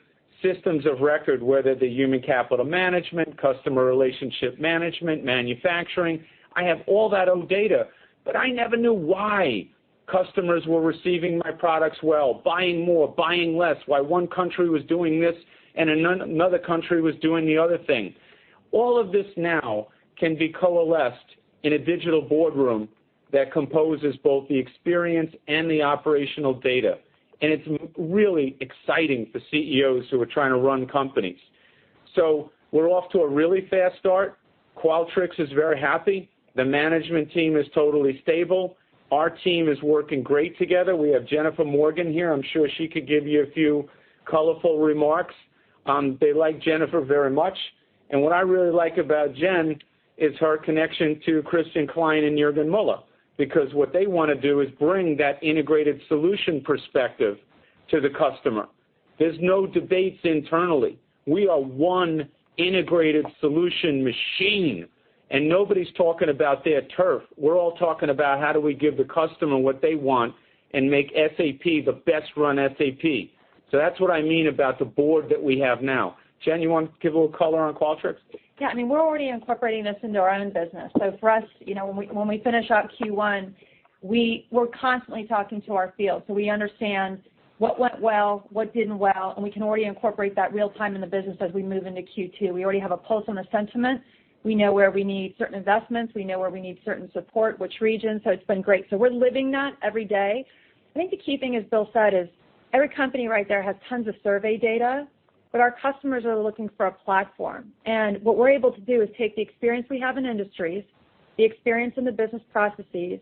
systems of record, whether they're human capital management, customer relationship management, manufacturing, I have all that old data. I never knew why customers were receiving my products well, buying more, buying less, why one country was doing this and another country was doing the other thing." All of this now can be coalesced in a digital boardroom that composes both the experience and the operational data. It's really exciting for CEOs who are trying to run companies. We're off to a really fast start. Qualtrics is very happy. The management team is totally stable. Our team is working great together. We have Jennifer Morgan here. I'm sure she could give you a few colorful remarks. They like Jennifer very much. What I really like about Jen is her connection to Christian Klein and Juergen Mueller, because what they want to do is bring that integrated solution perspective to the customer. There's no debates internally. We are one integrated solution machine. Nobody's talking about their turf. We're all talking about how do we give the customer what they want and make SAP the best run SAP. That's what I mean about the board that we have now. Jen, you want to give a little color on Qualtrics? I mean, we're already incorporating this into our own business. For us, when we finish up Q1, we're constantly talking to our field. We understand what went well, what didn't well, and we can already incorporate that real time in the business as we move into Q2. We already have a pulse on the sentiment. We know where we need certain investments. We know where we need certain support, which region. It's been great. We're living that every day. I think the key thing, as Bill said, is every company right there has tons of survey data. Our customers are looking for a platform. What we're able to do is take the experience we have in industries, the experience in the business processes,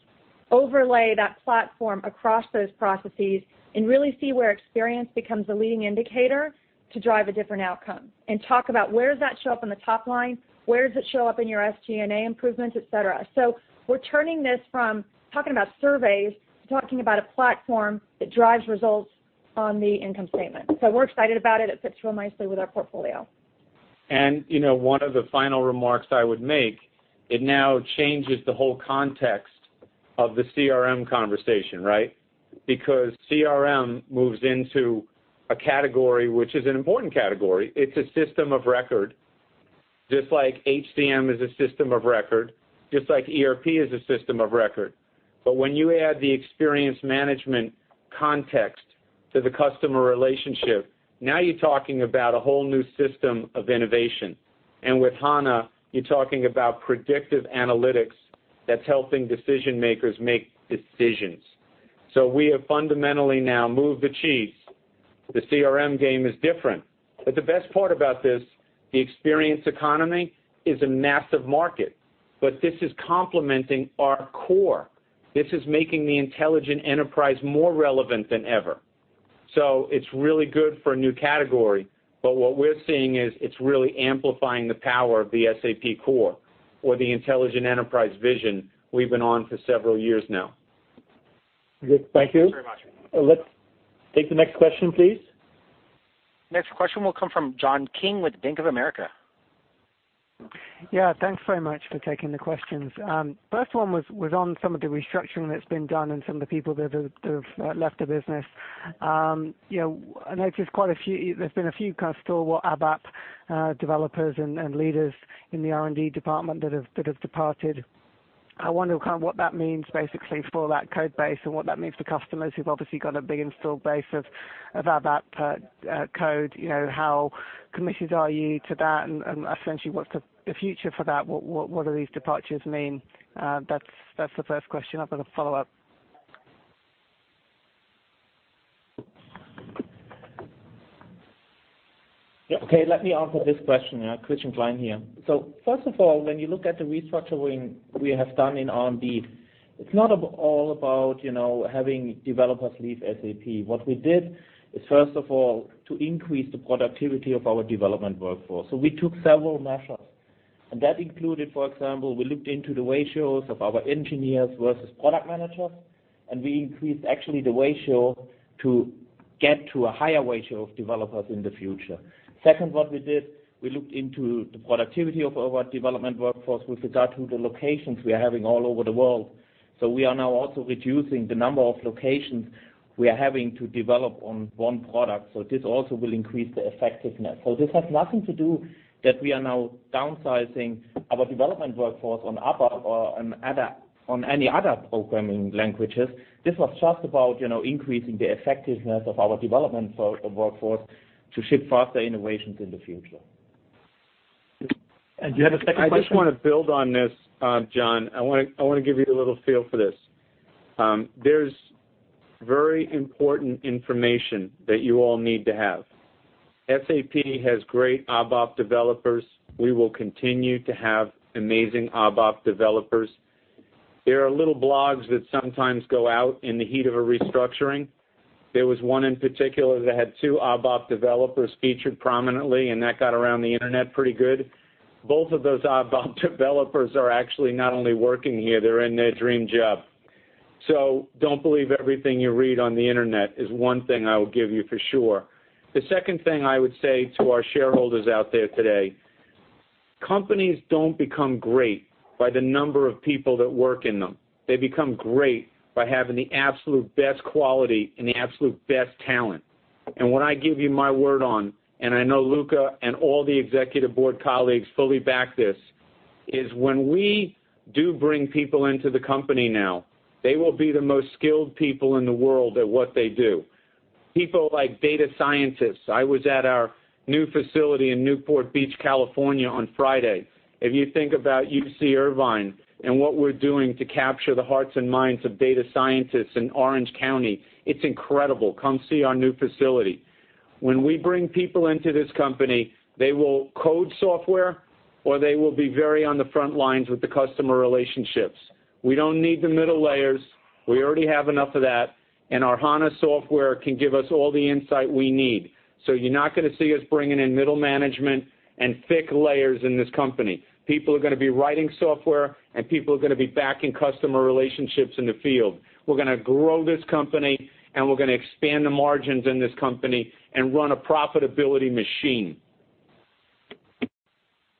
overlay that platform across those processes, and really see where experience becomes a leading indicator to drive a different outcome and talk about where does that show up in the top line? Where does it show up in your SG&A improvements, et cetera. We're turning this from talking about surveys to talking about a platform that drives results on the income statement. We're excited about it. It fits real nicely with our portfolio. One of the final remarks I would make, it now changes the whole context of the CRM conversation, right? CRM moves into a category, which is an important category. It's a system of record. Just like HCM is a system of record, just like ERP is a system of record. When you add the experience management context to the customer relationship, now you're talking about a whole new system of innovation. With HANA, you're talking about predictive analytics that's helping decision-makers make decisions. We have fundamentally now moved the cheese. The CRM game is different. The best part about this, the experience economy, is a massive market, but this is complementing our core. This is making the intelligent enterprise more relevant than ever. It's really good for a new category. What we're seeing is it's really amplifying the power of the SAP core or the intelligent enterprise vision we've been on for several years now. Good. Thank you. Thanks very much. Let's take the next question, please. Next question will come from John King with Bank of America. Yeah, thanks very much for taking the questions. First one was on some of the restructuring that's been done and some of the people that have left the business. I notice there's been a few kind of stalwart ABAP developers and leaders in the R&D department that have departed. I wonder kind of what that means, basically, for that code base and what that means for customers who've obviously got a big install base of ABAP code. How committed are you to that? Essentially, what's the future for that? What do these departures mean? That's the first question. I've got a follow-up. Okay, let me answer this question. Christian Klein here. First of all, when you look at the restructuring we have done in R&D, it's not at all about having developers leave SAP. What we did is, first of all, to increase the productivity of our development workforce. We took several measures. That included, for example, we looked into the ratios of our engineers versus product managers, and we increased the ratio to get to a higher ratio of developers in the future. Second, what we did, we looked into the productivity of our development workforce with regard to the locations we are having all over the world. We are now also reducing the number of locations we are having to develop on one product. This also will increase the effectiveness. This has nothing to do that we are now downsizing our development workforce on ABAP or on any other programming languages. This was just about increasing the effectiveness of our development force of workforce to ship faster innovations in the future. Do you have a second question? I just want to build on this, John. I want to give you a little feel for this. There's very important information that you all need to have. SAP has great ABAP developers. We will continue to have amazing ABAP developers. There are little blogs that sometimes go out in the heat of a restructuring. There was one in particular that had two ABAP developers featured prominently, and that got around the internet pretty good. Both of those ABAP developers are actually not only working here, they're in their dream job. Don't believe everything you read on the internet, is one thing I will give you for sure. The second thing I would say to our shareholders out there today, companies don't become great by the number of people that work in them. They become great by having the absolute best quality and the absolute best talent. What I give you my word on, and I know Luka and all the Executive Board colleagues fully back this, is when we do bring people into the company now, they will be the most skilled people in the world at what they do. People like data scientists. I was at our new facility in Newport Beach, California, on Friday. If you think about UC Irvine and what we're doing to capture the hearts and minds of data scientists in Orange County, it's incredible. Come see our new facility. When we bring people into this company, they will code software, or they will be very on the front lines with the customer relationships. We don't need the middle layers. We already have enough of that, and our HANA software can give us all the insight we need. You're not going to see us bringing in middle management and thick layers in this company. People are going to be writing software, and people are going to be backing customer relationships in the field. We're going to grow this company, and we're going to expand the margins in this company and run a profitability machine.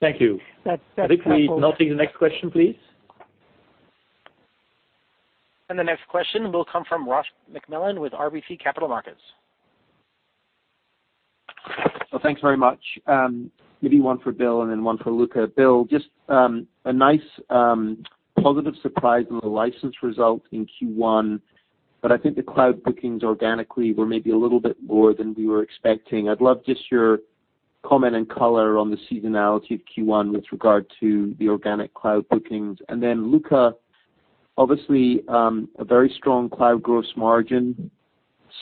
Thank you. That's- I think we Nothing, the next question, please. The next question will come from Ross MacMillan with RBC Capital Markets. Well, thanks very much. Maybe one for Bill and then one for Luka. Bill, just a nice positive surprise on the license result in Q1. I think the cloud bookings organically were maybe a little bit more than we were expecting. I'd love just your comment and color on the seasonality of Q1 with regard to the organic cloud bookings. Luka, obviously, a very strong cloud gross margin.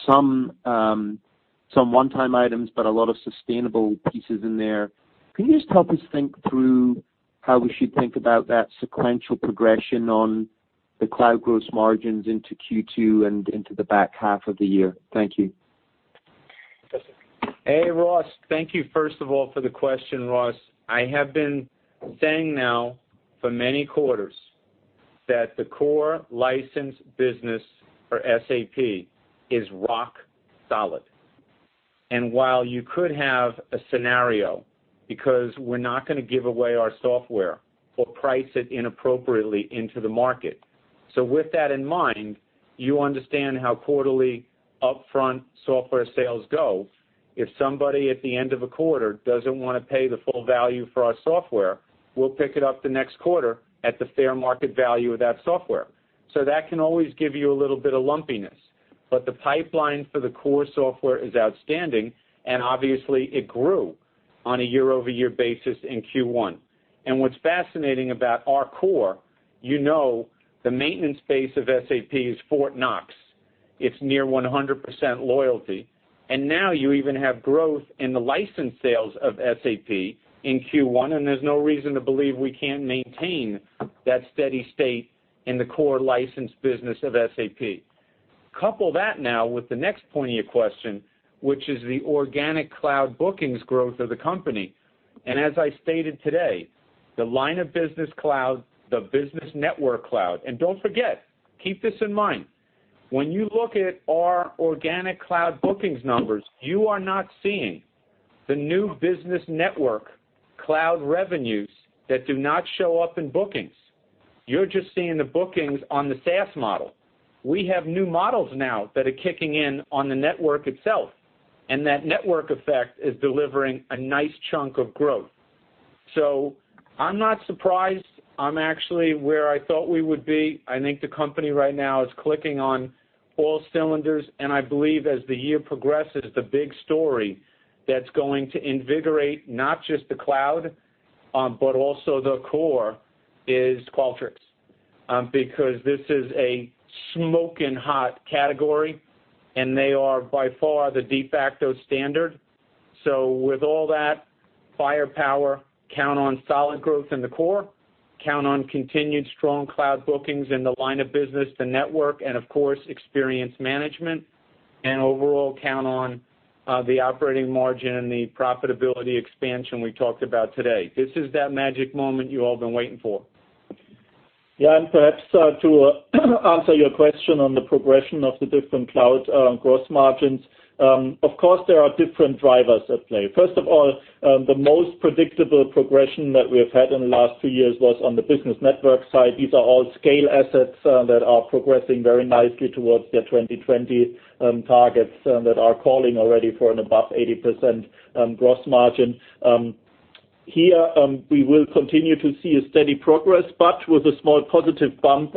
Some one-time items, but a lot of sustainable pieces in there. Can you just help us think through how we should think about that sequential progression on the cloud gross margins into Q2 and into the back half of the year? Thank you. Hey, Ross. Thank you, first of all, for the question, Ross. I have been saying now for many quarters that the core license business for SAP is rock solid. While you could have a scenario, because we're not going to give away our software or price it inappropriately into the market. With that in mind, you understand how quarterly upfront software sales go. If somebody at the end of a quarter doesn't want to pay the full value for our software, we'll pick it up the next quarter at the fair market value of that software. That can always give you a little bit of lumpiness. But the pipeline for the core software is outstanding, and obviously it grew on a year-over-year basis in Q1. What's fascinating about our core, you know the maintenance base of SAP is Fort Knox. It's near 100% loyalty. Now you even have growth in the licensed sales of SAP in Q1, and there's no reason to believe we can't maintain that steady state in the core license business of SAP. Couple that now with the next point of your question, which is the organic cloud bookings growth of the company. As I stated today, the line of business cloud, the business network cloud, and don't forget, keep this in mind. When you look at our organic cloud bookings numbers, you are not seeing the new business network cloud revenues that do not show up in bookings. You're just seeing the bookings on the SaaS model. We have new models now that are kicking in on the network itself, and that network effect is delivering a nice chunk of growth. I'm not surprised. I'm actually where I thought we would be. I think the company right now is clicking on all cylinders. I believe as the year progresses, the big story that's going to invigorate not just the cloud, but also the core, is Qualtrics. This is a smoking hot category, and they are by far the de facto standard. With all that firepower, count on solid growth in the core, count on continued strong cloud bookings in the line of business, the network, and of course, experience management, and overall count on the operating margin and the profitability expansion we talked about today. This is that magic moment you all have been waiting for. Perhaps to answer your question on the progression of the different cloud gross margins. Of course, there are different drivers at play. First of all, the most predictable progression that we have had in the last two years was on the business network side. These are all scale assets that are progressing very nicely towards their 2020 targets that are calling already for an above 80% gross margin. Here, we will continue to see a steady progress, but with a small positive bump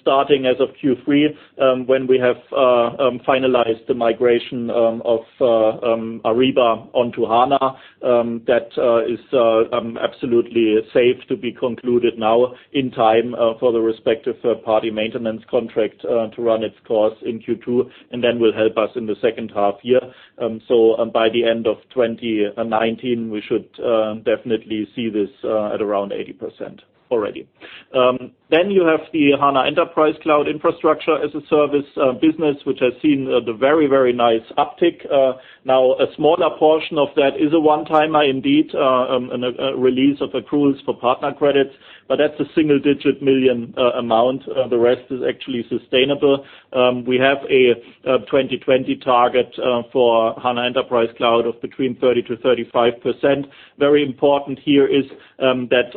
starting as of Q3, when we have finalized the migration of Ariba onto HANA. That is absolutely safe to be concluded now in time for the respective third-party maintenance contract to run its course in Q2, and then will help us in the second half year. By the end of 2019, we should definitely see this at around 80% already. You have the HANA Enterprise Cloud infrastructure as a service business, which has seen the very, very nice uptick. Now, a smaller portion of that is a one-timer indeed, and a release of accruals for partner credits, but that's a single-digit million amount. The rest is actually sustainable. We have a 2020 target for HANA Enterprise Cloud of between 30%-35%. Very important here is that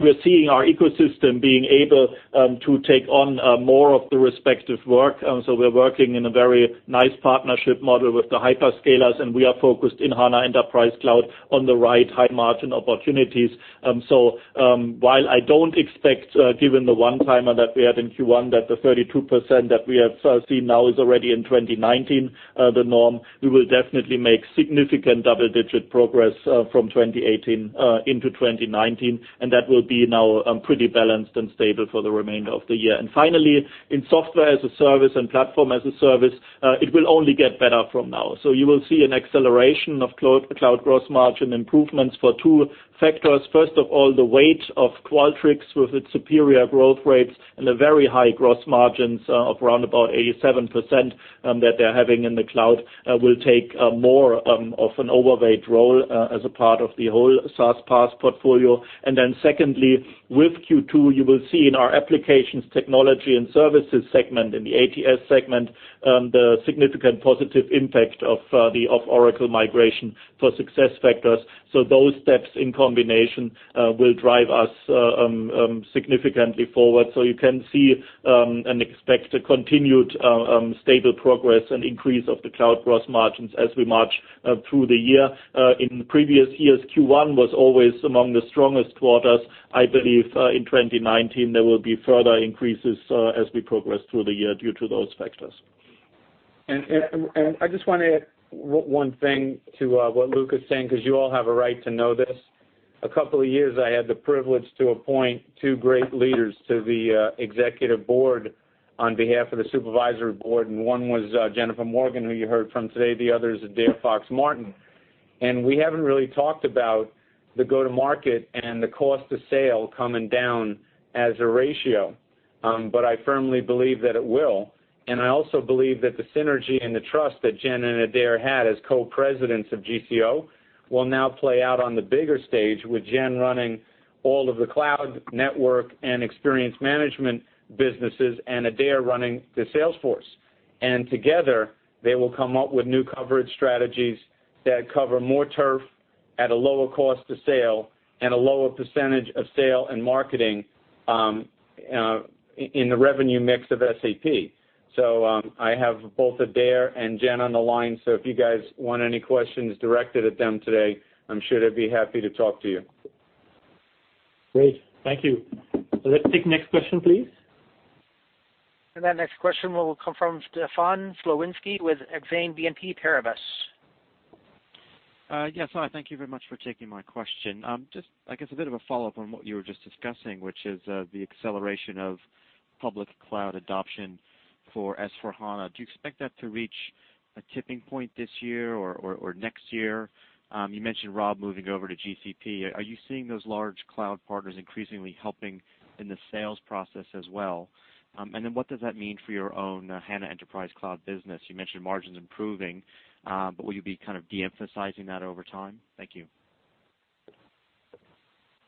we're seeing our ecosystem being able to take on more of the respective work. We're working in a very nice partnership model with the hyperscalers, and we are focused in HANA Enterprise Cloud on the right high-margin opportunities. While I don't expect, given the one-timer that we had in Q1, that the 32% that we have seen now is already in 2019, the norm, we will definitely make significant double-digit progress from 2018 into 2019. That will be now pretty balanced and stable for the remainder of the year. Finally, in software as a service and platform as a service, it will only get better from now. You will see an acceleration of cloud gross margin improvements for two factors. First of all, the weight of Qualtrics with its superior growth rates and the very high gross margins of around about 87% that they're having in the cloud will take more of an overweight role as a part of the whole SaaS PaaS portfolio. Secondly, with Q2, you will see in our applications, technology, and services segment, in the ATS segment, the significant positive impact of Oracle migration for SuccessFactors. Those steps in combination will drive us significantly forward. You can see and expect a continued stable progress and increase of the cloud gross margins as we march through the year. In previous years, Q1 was always among the strongest quarters. I believe in 2019, there will be further increases as we progress through the year due to those factors. I just want to add one thing to what Luka's saying because you all have a right to know this. A couple of years I had the privilege to appoint two great leaders to the executive board on behalf of the supervisory board, and one was Jennifer Morgan, who you heard from today. The other is Adaire Fox-Martin. We haven't really talked about the go-to-market and the cost of sale coming down as a ratio. I firmly believe that it will. I also believe that the synergy and the trust that Jen and Adaire had as co-presidents of GCO will now play out on the bigger stage with Jen running all of the cloud, network, and experience management businesses, and Adaire running the sales force. Together, they will come up with new coverage strategies that cover more turf at a lower cost to sale and a lower percentage of sale and marketing in the revenue mix of SAP. I have both Adaire and Jenn on the line, so if you guys want any questions directed at them today, I'm sure they'd be happy to talk to you. Great. Thank you. Let's take next question, please. That next question will come from Stefan Slowinski with Exane BNP Paribas. Yes. Hi. Thank you very much for taking my question. Just, I guess a bit of a follow-up on what you were just discussing, which is the acceleration of public cloud adoption for S/4HANA. Do you expect that to reach a tipping point this year or next year? You mentioned Rob moving over to GCP. Are you seeing those large cloud partners increasingly helping in the sales process as well? What does that mean for your own HANA Enterprise Cloud business? You mentioned margins improving, will you be kind of de-emphasizing that over time? Thank you.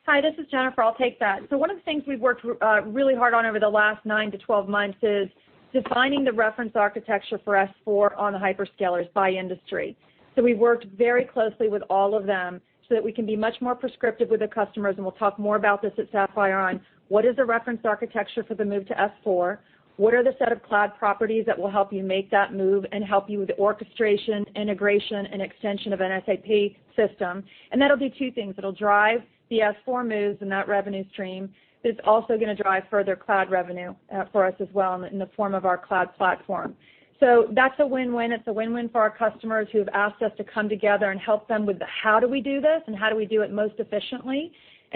Hi, this is Jennifer. I'll take that. One of the things we've worked really hard on over the last nine to 12 months is defining the reference architecture for S/4 on the hyperscalers by industry. We've worked very closely with all of them so that we can be much more prescriptive with the customers, and we'll talk more about this at Sapphire on what is the reference architecture for the move to S/4, what are the set of cloud properties that will help you make that move and help you with orchestration, integration, and extension of an SAP system. That'll do two things. It'll drive the S/4 moves and that revenue stream. It's also going to drive further cloud revenue for us as well in the form of our cloud platform. That's a win-win. It's a win-win for our customers who've asked us to come together and help them with the how do we do this and how do we do it most efficiently.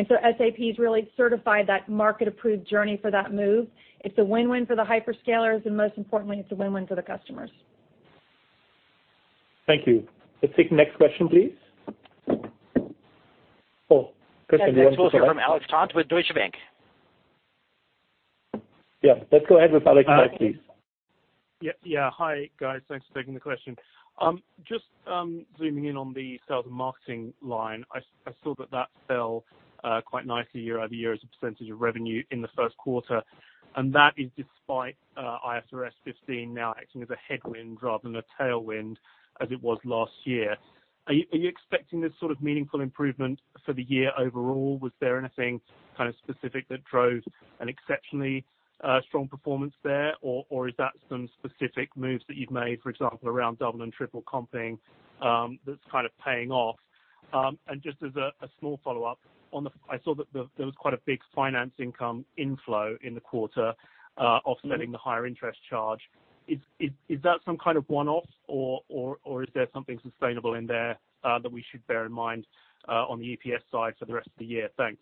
SAP's really certified that market-approved journey for that move. It's a win-win for the hyperscalers, most importantly, it's a win-win for the customers. Thank you. Let's take next question, please. question one Next also from Alexander Tout with Deutsche Bank. Let's go ahead with Alexander Tout, please. Hi, guys. Thanks for taking the question. Just zooming in on the sales and marketing line. I saw that that fell quite nicely year-over-year as a percentage of revenue in the first quarter, and that is despite IFRS 15 now acting as a headwind rather than a tailwind as it was last year. Are you expecting this sort of meaningful improvement for the year overall? Was there anything kind of specific that drove an exceptionally strong performance there? Or is that some specific moves that you've made, for example, around double and triple comping, that's kind of paying off? Just as a small follow-up, I saw that there was quite a big finance income inflow in the quarter offsetting the higher interest charge. Is that some kind of one-off, or is there something sustainable in there that we should bear in mind on the EPS side for the rest of the year? Thanks.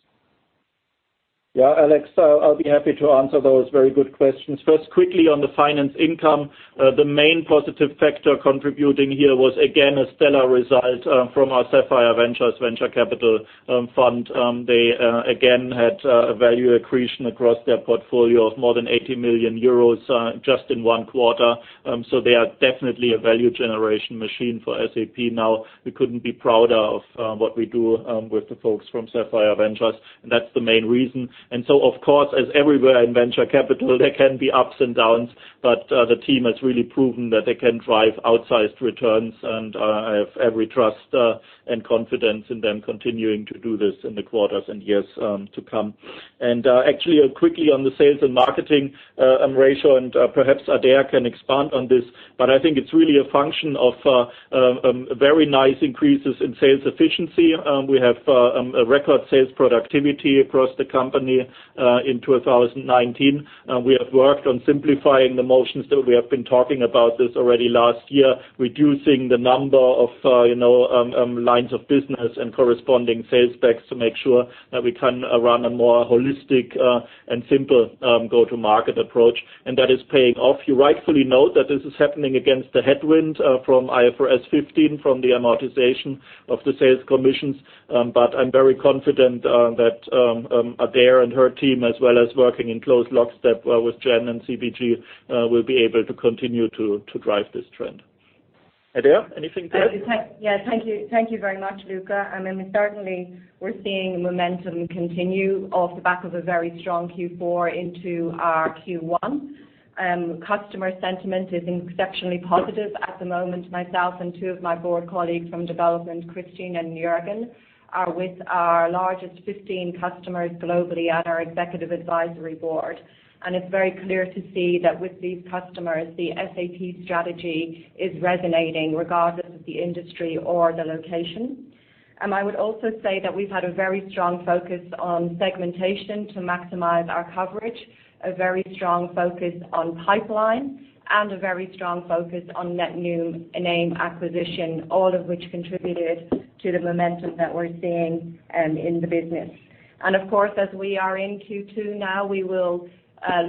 Alex, I'll be happy to answer those very good questions. First, quickly on the finance income, the main positive factor contributing here was again, a stellar result from our Sapphire Ventures venture capital fund. They again had a value accretion across their portfolio of more than 80 million euros just in one quarter. They are definitely a value generation machine for SAP now. We couldn't be prouder of what we do with the folks from Sapphire Ventures, and that's the main reason. Of course, as everywhere in venture capital, there can be ups and downs, but the team has really proven that they can drive outsized returns, and I have every trust and confidence in them continuing to do this in the quarters and years to come. Actually quickly on the sales and marketing ratio, and perhaps Adaire can expand on this, but I think it's really a function of very nice increases in sales efficiency. We have a record sales productivity across the company in 2019. We have worked on simplifying the motions that we have been talking about this already last year, reducing the number of lines of business and corresponding sales specs to make sure that we can run a more holistic and simple go-to-market approach, and that is paying off. You rightfully note that this is happening against a headwind from IFRS 15, from the amortization of the sales commissions. I'm very confident that Adaire and her team, as well as working in close lockstep with Jenn and CPG, will be able to continue to drive this trend. Adaire, anything to add? Thank you very much, Luka. I mean, certainly we're seeing momentum continue off the back of a very strong Q4 into our Q1. Customer sentiment is exceptionally positive at the moment. Myself and two of my board colleagues from development, Christian and Juergen, are with our largest 15 customers globally at our executive advisory board. It's very clear to see that with these customers, the SAP strategy is resonating regardless of the industry or the location. I would also say that we've had a very strong focus on segmentation to maximize our coverage, a very strong focus on pipeline, and a very strong focus on net new name acquisition, all of which contributed to the momentum that we're seeing in the business. As we are in Q2 now, we will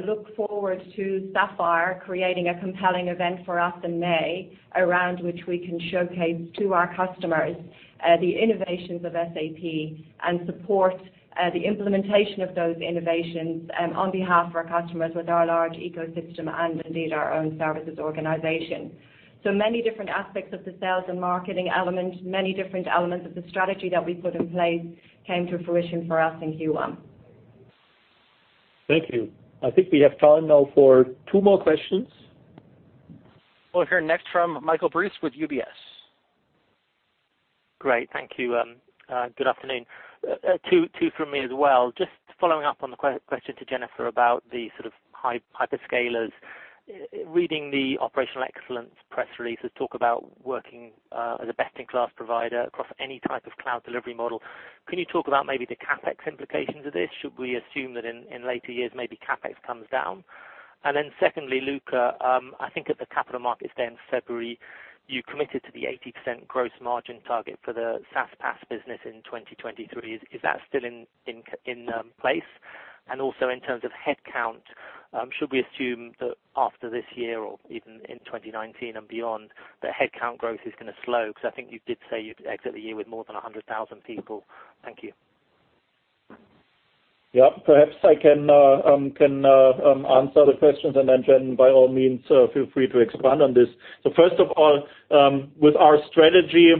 look forward to Sapphire creating a compelling event for us in May around which we can showcase to our customers the innovations of SAP and support the implementation of those innovations on behalf of our customers with our large ecosystem and indeed our own services organization. Many different aspects of the sales and marketing element, many different elements of the strategy that we put in place came to fruition for us in Q1. Thank you. I think we have time now for two more questions. We'll hear next from Michael Briest with UBS. Great. Thank you. Good afternoon. Two from me as well. Just following up on the question to Jennifer about the sort of hyperscalers. Reading the operational excellence press releases talk about working as a best-in-class provider across any type of cloud delivery model. Can you talk about maybe the CapEx implications of this? Should we assume that in later years, maybe CapEx comes down? Secondly, Luka, I think at the capital markets there in February, you committed to the 80% gross margin target for the SaaS/PaaS business in 2023. Is that still in place? Also, in terms of headcount, should we assume that after this year or even in 2019 and beyond, that headcount growth is going to slow? Because I think you did say you'd exit the year with more than 100,000 people. Thank you. Yeah, perhaps I can answer the questions. Then Jen, by all means, feel free to expand on this. First of all, with our strategy,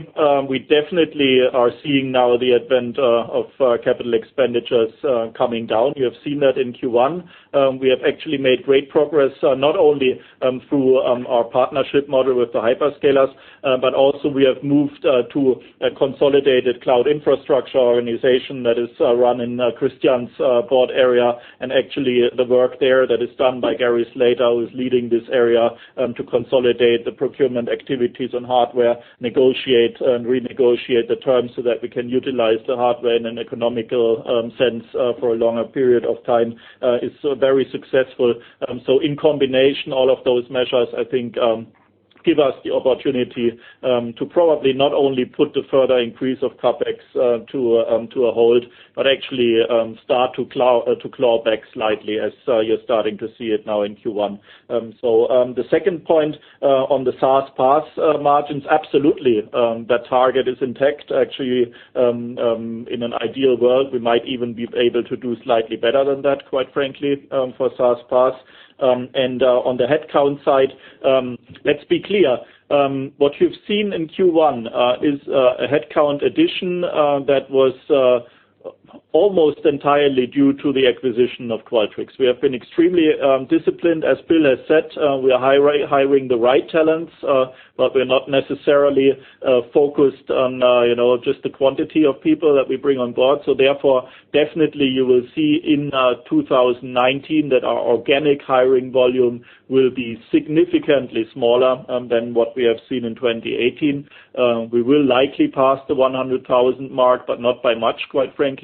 we definitely are seeing now the advent of capital expenditures coming down. You have seen that in Q1. We have actually made great progress, not only through our partnership model with the hyperscalers, but also we have moved to a consolidated cloud infrastructure organization that is run in Christian's board area. Actually, the work there that is done by Gary Slater, who's leading this area to consolidate the procurement activities on hardware, negotiate and renegotiate the terms so that we can utilize the hardware in an economical sense for a longer period of time. It's very successful. In combination, all of those measures, I think give us the opportunity to probably not only put the further increase of CapEx to a hold, but actually start to claw back slightly as you're starting to see it now in Q1. The second point on the SaaS/PaaS margins, absolutely, that target is intact. Actually, in an ideal world, we might even be able to do slightly better than that, quite frankly, for SaaS/PaaS. On the headcount side, let's be clear. What you've seen in Q1 is a headcount addition that was almost entirely due to the acquisition of Qualtrics. We have been extremely disciplined. As Bill has said, we are hiring the right talents, but we're not necessarily focused on just the quantity of people that we bring on board. Therefore, definitely you will see in 2019 that our organic hiring volume will be significantly smaller than what we have seen in 2018. We will likely pass the 100,000 mark, but not by much, quite frankly.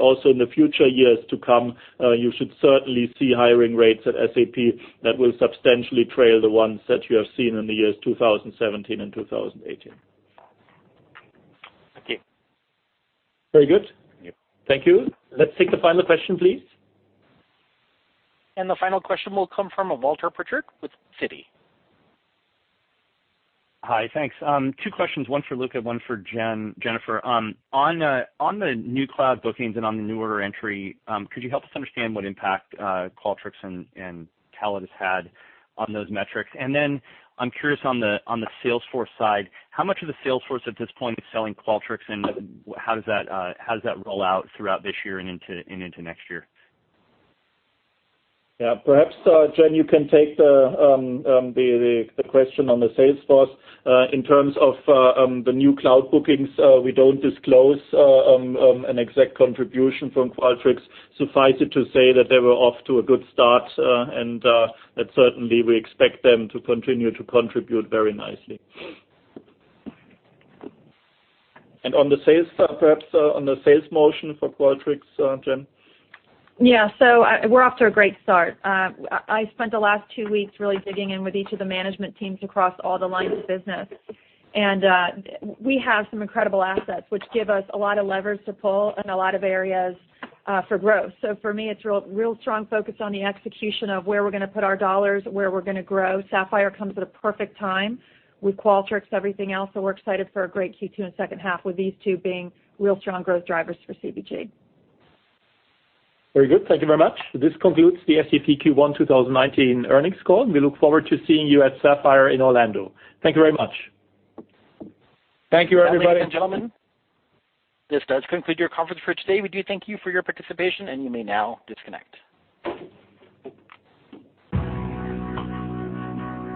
Also, in the future years to come, you should certainly see hiring rates at SAP that will substantially trail the ones that you have seen in the years 2017 and 2018. Thank you. Very good. Thank you. Let's take the final question, please. The final question will come from Walter Pritchard with Citi. Hi, thanks. Two questions, one for Luka, one for Jen, Jennifer. On the new cloud bookings and on the new order entry, could you help us understand what impact Qualtrics and CallidusCloud had on those metrics? I'm curious on the Salesforce side, how much of the Salesforce at this point is selling Qualtrics, and how does that roll out throughout this year and into next year? Yeah. Perhaps, Jen, you can take the question on the Salesforce. In terms of the new cloud bookings, we don't disclose an exact contribution from Qualtrics. Suffice it to say that they were off to a good start, and that certainly we expect them to continue to contribute very nicely. On the sales side, perhaps on the sales motion for Qualtrics, Jen? We're off to a great start. I spent the last two weeks really digging in with each of the management teams across all the lines of business. We have some incredible assets which give us a lot of levers to pull in a lot of areas for growth. For me, it's real strong focus on the execution of where we're going to put our dollars, where we're going to grow. Sapphire comes at a perfect time with Qualtrics, everything else. We're excited for a great Q2 and second half with these two being real strong growth drivers for CPG. Very good. Thank you very much. This concludes the SAP Q1 2019 earnings call. We look forward to seeing you at Sapphire in Orlando. Thank you very much. Thank you, everybody. Ladies and gentlemen, this does conclude your conference for today. We do thank you for your participation, and you may now disconnect.